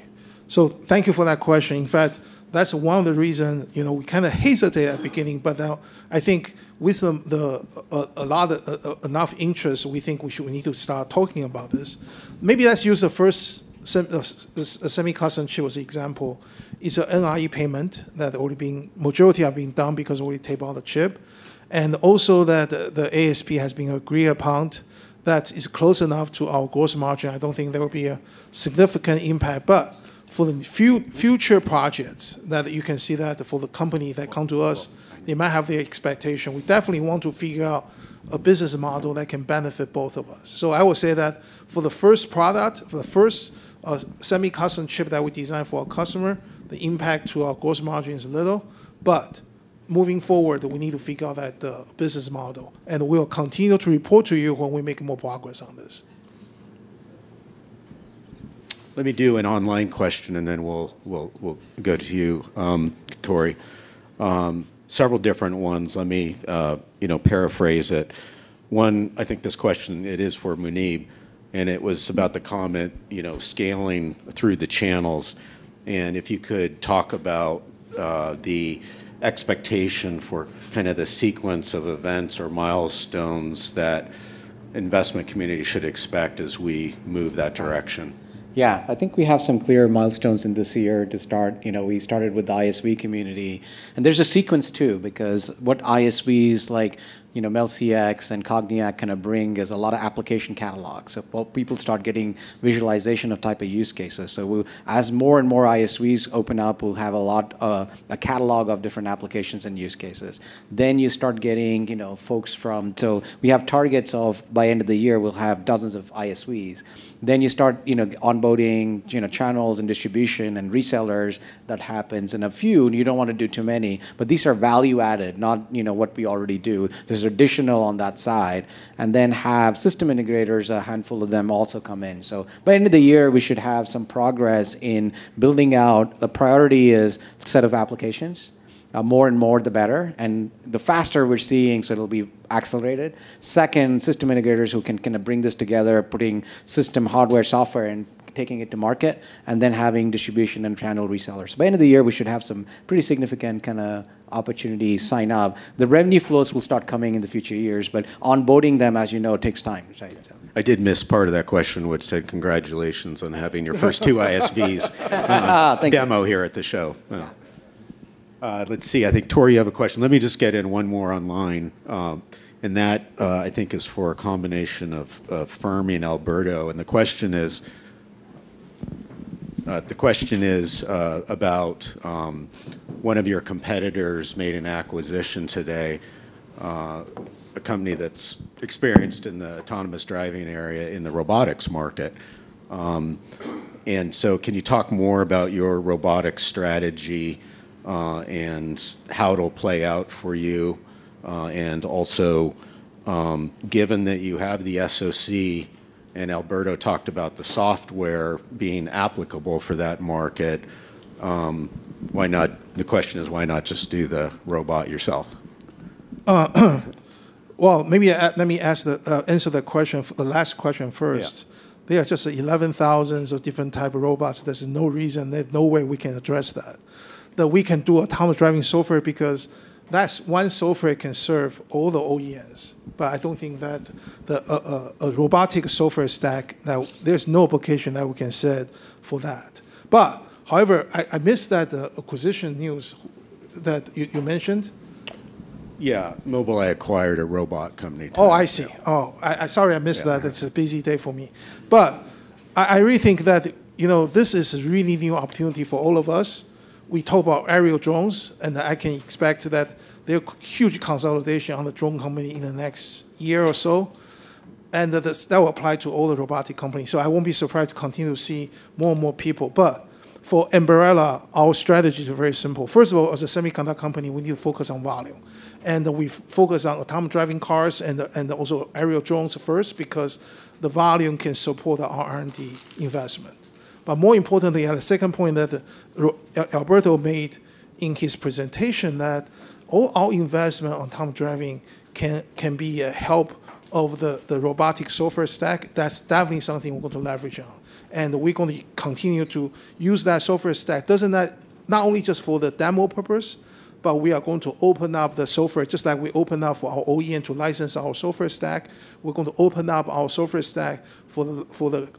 So thank you for that question. In fact, that's one of the reasons we kind of hesitated at the beginning. But now I think with enough interest, we think we need to start talking about this. Maybe let's use the first semi-custom chip as an example. It's an NRE payment that the majority have been done because we tape out the chip. And also that the ASP has been agreed upon that is close enough to our gross margin. I don't think there will be a significant impact. But for the future projects that you can see that for the companies that come to us, they might have the expectation. We definitely want to figure out a business model that can benefit both of us. So I will say that for the first product, for the first semi-custom chip that we design for our customer, the impact to our gross margin is little. But moving forward, we need to figure out that business model. And we'll continue to report to you when we make more progress on this. Let me do an online question, and then we'll go to you, Tore. Several different ones. Let me paraphrase it. One, I think this question, it is for Muneyb, and it was about the comment scaling through the channels. If you could talk about the expectation for kind of the sequence of events or milestones that the investment community should expect as we move that direction. Yeah, I think we have some clear milestones in this year to start. We started with the ISV community. And there's a sequence too, because what ISVs like MeldCX and Cogniac kind of bring is a lot of application catalogs. So people start getting visualization of type of use cases. So as more and more ISVs open up, we'll have a catalog of different applications and use cases. Then you start getting folks from. So we have targets of by the end of the year, we'll have dozens of ISVs. Then you start onboarding channels and distribution and resellers. That happens. And a few, you don't want to do too many. But these are value added, not what we already do. There's additional on that side. And then have system integrators, a handful of them also come in. So by the end of the year, we should have some progress in building out. The priority is a set of applications. More and more, the better. And the faster we're seeing, so it'll be accelerated. Second, system integrators who can kind of bring this together, putting system hardware, software, and taking it to market, and then having distribution and channel resellers. By the end of the year, we should have some pretty significant kind of opportunities sign up. The revenue flows will start coming in the future years. But onboarding them, as you know, takes time. I did miss part of that question, which said congratulations on having your first two ISVs demo here at the show. Let's see. I think, Tore, you have a question. Let me just get in one more online, and that, I think, is for a combination of Fermi and Alberto. The question is about one of your competitors made an acquisition today, a company that's experienced in the autonomous driving area in the robotics market, and so can you talk more about your robotics strategy and how it'll play out for you? Also, given that you have the SoC and Alberto talked about the software being applicable for that market, the question is, why not just do the robot yourself? Maybe let me answer the question, the last question first. There are just 11,000s of different types of robots. There's no reason, no way we can address that, that we can do autonomous driving software because that's one software that can serve all the OEMs. But I don't think that a robotic software stack, there's no application that we can set for that. But however, I missed that acquisition news that you mentioned. Yeah, Mobileye acquired a robot company. Oh, I see. Oh, sorry, I missed that. It's a busy day for me, but I really think that this is a really new opportunity for all of us. We talk about aerial drones, and I can expect that there are huge consolidations on the drone company in the next year or so. And that will apply to all the robotic companies. So I won't be surprised to continue to see more and more people. But for Ambarella, our strategy is very simple. First of all, as a semiconductor company, we need to focus on volume. And we focus on autonomous driving cars and also aerial drones first because the volume can support our R&D investment. But more importantly, on the second point that Alberto made in his presentation, that all our investment on autonomous driving can be a help of the robotic software stack. That's definitely something we're going to leverage on, and we're going to continue to use that software stack, not only just for the demo purpose, but we are going to open up the software just like we opened up for our OEM to license our software stack. We're going to open up our software stack for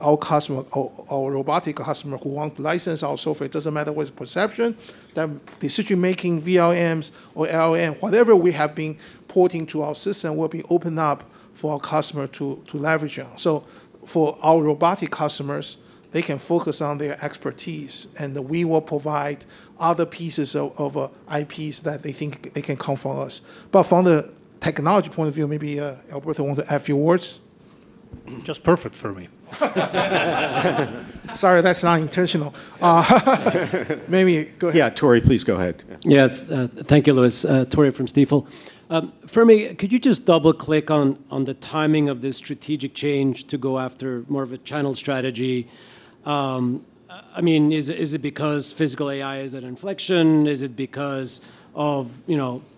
our customer, our robotic customer who wants to license our software. It doesn't matter what's the perception. The decision-making VLMs or LLMs, whatever we have been porting to our system, will be opened up for our customer to leverage on, so for our robotic customers, they can focus on their expertise, and we will provide other pieces of IPs that they think they can come from us, but from the technology point of view, maybe Alberto wants to add a few words. Just perfect for me. Sorry, that's not intentional. Yeah, Tore, please go ahead. Yeah, thank you, Louis. Tore from Stifel. Fermi, could you just double-click on the timing of this strategic change to go after more of a channel strategy? I mean, is it because physical AI is at inflection? Is it because of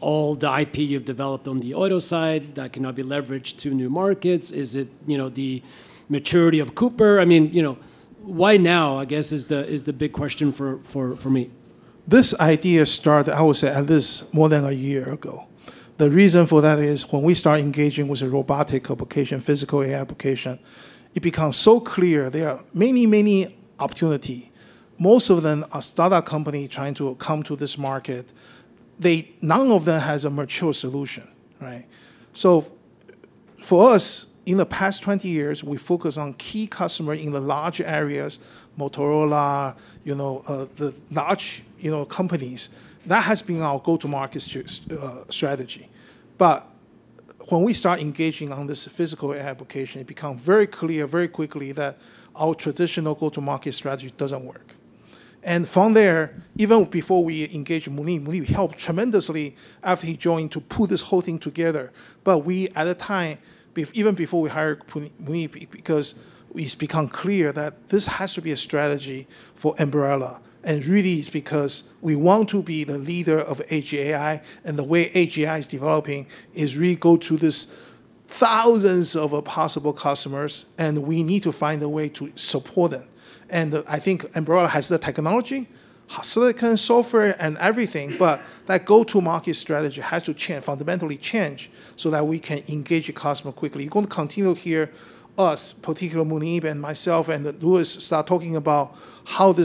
all the IP you've developed on the auto side that cannot be leveraged to new markets? Is it the maturity of Cooper? I mean, why now, I guess, is the big question for me? This idea started, I would say, at least more than a year ago. The reason for that is when we start engaging with a robotic application, physical AI application, it becomes so clear. There are many, many opportunities. Most of them are startup companies trying to come to this market. None of them has a mature solution. So for us, in the past 20 years, we focus on key customers in the large areas, Motorola, the large companies. That has been our go-to-market strategy. But when we start engaging on this physical AI application, it becomes very clear very quickly that our traditional go-to-market strategy doesn't work, and from there, even before we engaged Muni, Muni helped tremendously after he joined to pull this whole thing together, but we, at the time, even before we hired Muni, because it's become clear that this has to be a strategy for Ambarella. Really, it's because we want to be the leader of Edge AI. The way Edge AI is developing is really go to these thousands of possible customers. We need to find a way to support them. I think Ambarella has the technology, silicon software, and everything. But that go-to-market strategy has to fundamentally change so that we can engage a customer quickly. You're going to continue to hear us, particularly Muneyb and myself and Louis, start talking about how we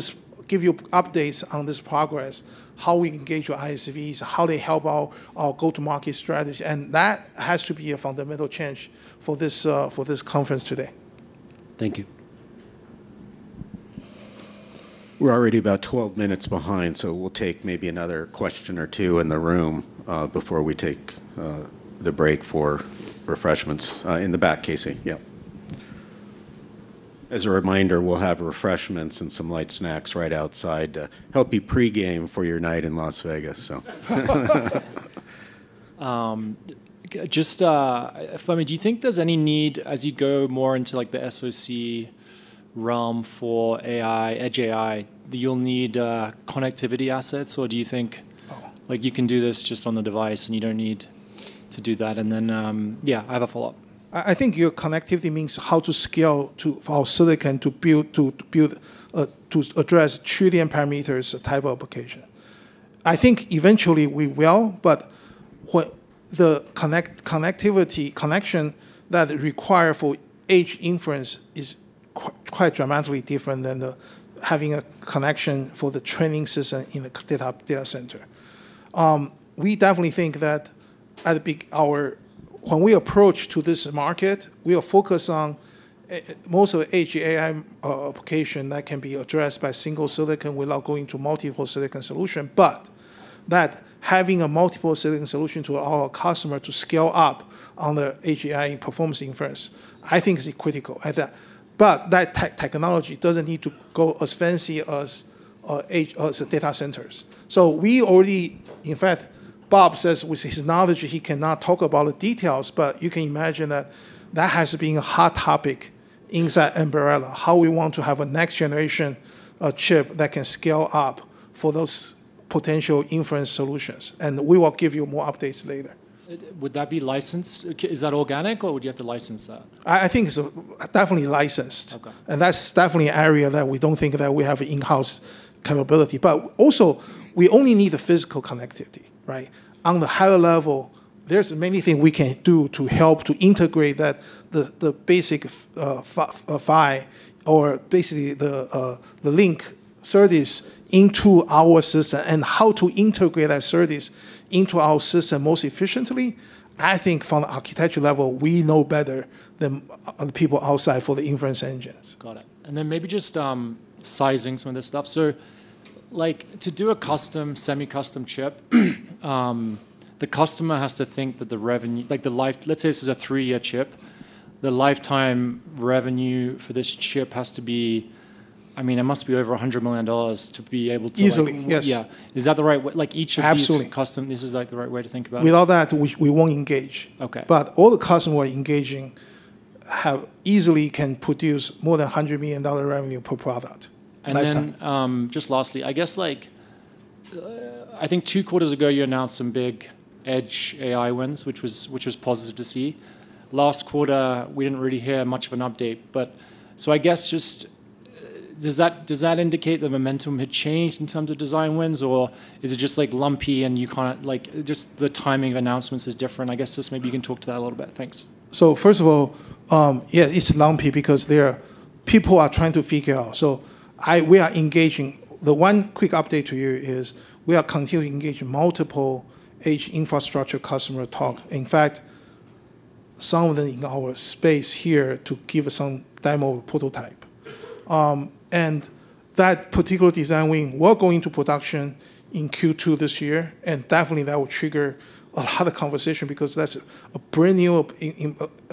give you updates on this progress, how we engage our ISVs, how they help our go-to-market strategy. That has to be a fundamental change for this conference today. Thank you. We're already about 12 minutes behind. So we'll take maybe another question or two in the room before we take the break for refreshments in the back, Casey. Yeah. As a reminder, we'll have refreshments and some light snacks right outside to help you pre-game for your night in Las Vegas. Just, Fermi, do you think there's any need as you go more into the SOC realm for AI, edge AI, that you'll need connectivity assets? Or do you think you can do this just on the device and you don't need to do that? And then, yeah, I have a follow-up. I think your connectivity means how to scale our silicon to address trillion parameters type of application. I think eventually we will. But the connectivity connection that required for edge inference is quite dramatically different than having a connection for the training system in the data center. We definitely think that when we approach this market, we are focused on most of the edge AI application that can be addressed by single silicon without going to multiple silicon solutions. But having a multiple silicon solution to our customer to scale up on the edge AI performance inference, I think is critical. But that technology doesn't need to go as fancy as data centers. So we already, in fact, Bob says with his knowledge, he cannot talk about the details. But you can imagine that that has been a hot topic inside Ambarella, how we want to have a next-generation chip that can scale up for those potential inference solutions. And we will give you more updates later. Would that be licensed? Is that organic? Or would you have to license that? I think it's definitely licensed. And that's definitely an area that we don't think that we have in-house capability. But also, we only need the physical connectivity. On the higher level, there's many things we can do to help to integrate the basic PHY or basically the Link SerDes into our system and how to integrate that service into our system most efficiently. I think from the architecture level, we know better than other people outside for the inference engines. Got it. And then maybe just sizing some of this stuff. So to do a custom semi-custom chip, the customer has to think that the revenue, let's say this is a three-year chip, the lifetime revenue for this chip has to be, I mean, it must be over $100 million to be able to. Easily, yes. Yeah. Is that the right way? Each of these is custom? This is the right way to think about it? With all that, we won't engage. But all the customers engaging easily can produce more than $100 million revenue per product. And then just lastly, I guess I think two quarters ago, you announced some big edge AI wins, which was positive to see. Last quarter, we didn't really hear much of an update. So I guess just does that indicate the momentum had changed in terms of design wins? Or is it just lumpy and just the timing of announcements is different? I guess just maybe you can talk to that a little bit. Thanks. So, first of all, yeah, it's lumpy because people are trying to figure out. So we are engaging. The one quick update to you is we are continuing to engage multiple edge infrastructure customer talk. In fact, some of them in our space here to give some demo prototype. And that particular design win, we're going to production in Q2 this year. And definitely, that will trigger a lot of conversation because that's a brand new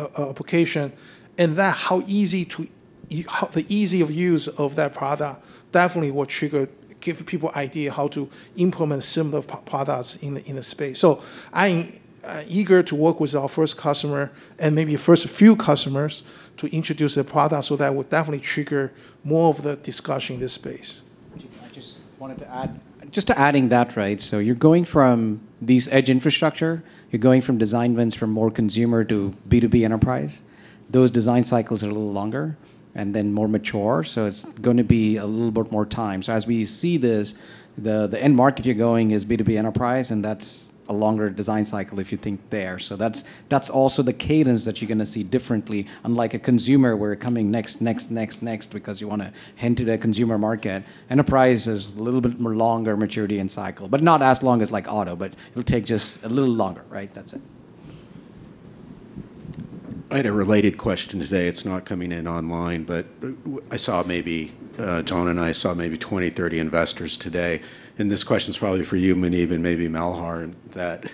application. And how easy to the easy of use of that product definitely will trigger, give people an idea how to implement similar products in the space. So I'm eager to work with our first customer and maybe first few customers to introduce the product. So that will definitely trigger more of the discussion in this space. I just wanted to add. Just adding that, right? So you're going from these edge infrastructure. You're going from design wins for more consumer to B2B enterprise. Those design cycles are a little longer and then more mature. So it's going to be a little bit more time. So as we see this, the end market you're going is B2B enterprise. And that's a longer design cycle if you think there. So that's also the cadence that you're going to see differently, unlike a consumer where you're coming next, next, next, next because you want to hint at a consumer market. Enterprise is a little bit more longer maturity and cycle. But not as long as auto. But it'll take just a little longer. That's it. I had a related question today. It's not coming in online, but I saw maybe John and I saw maybe 20, 30 investors today, and this question's probably for you, Muneyb, and maybe Malhar, that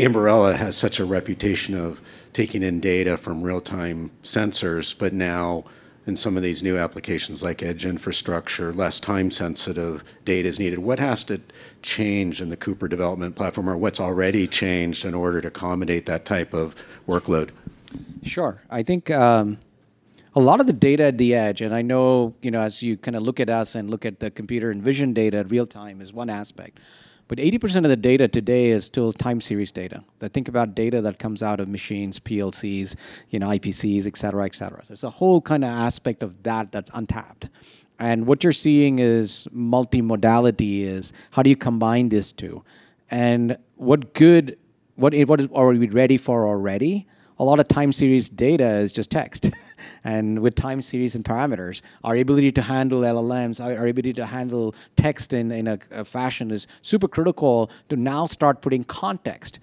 Ambarella has such a reputation of taking in data from real-time sensors. But now in some of these new applications like edge infrastructure, less time-sensitive data is needed. What has to change in the Cooper Developer Platform? Or what's already changed in order to accommodate that type of workload? Sure. I think a lot of the data at the edge, and I know as you kind of look at us and look at the computer vision data in real time is one aspect. But 80% of the data today is still time series data. Think about data that comes out of machines, PLCs, IPCs, et cetera, et cetera. So it's a whole kind of aspect of that that's untapped. And what you're seeing is multi-modality is how do you combine these two. And what are we ready for already? A lot of time series data is just text. And with time series and parameters, our ability to handle LLMs, our ability to handle text in a fashion is super critical to now start putting context.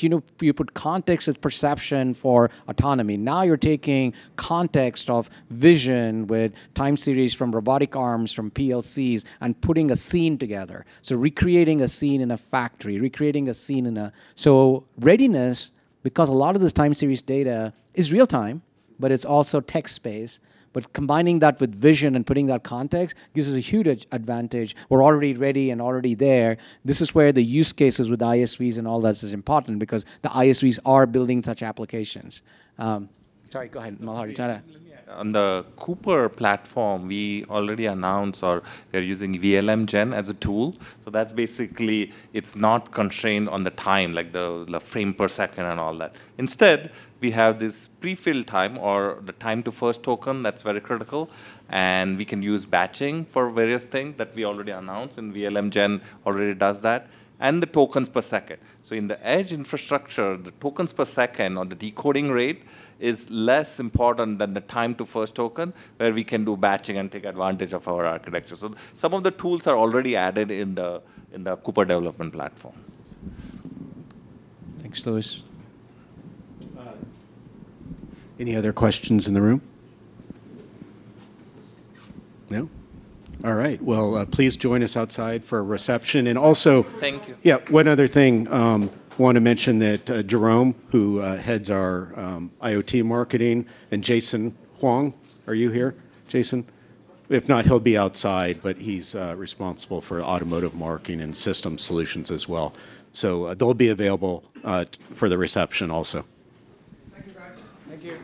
You put context as perception for autonomy. Now you're taking context of vision with time series from robotic arms, from PLCs, and putting a scene together, so recreating a scene in a factory, so readiness, because a lot of this time series data is real time, but it's also text space, but combining that with vision and putting that context gives us a huge advantage. We're already ready and already there. This is where the use cases with ISVs and all that is important because the ISVs are building such applications. Sorry, go ahead, Malhar. You try to. On the Cooper platform, we already announced they're using VLMGen as a tool, so that's basically it's not constrained on the time, like the frame per second and all that. Instead, we have this prefill time or the time to first token that's very critical, and we can use batching for various things that we already announced. And VLMGen already does that, and the tokens per second. So in the edge infrastructure, the tokens per second or the decoding rate is less important than the time to first token, where we can do batching and take advantage of our architecture, so some of the tools are already added in the Cooper development platform. Thanks, Louis. Any other questions in the room? No? All right. Well, please join us outside for a reception. And also. Yeah, one other thing. I want to mention that Jerome, who heads our IoT marketing, and Jason Huang, are you here, Jason? If not, he'll be outside. But he's responsible for automotive marketing and system solutions as well. So they'll be available for the reception also. Thank you.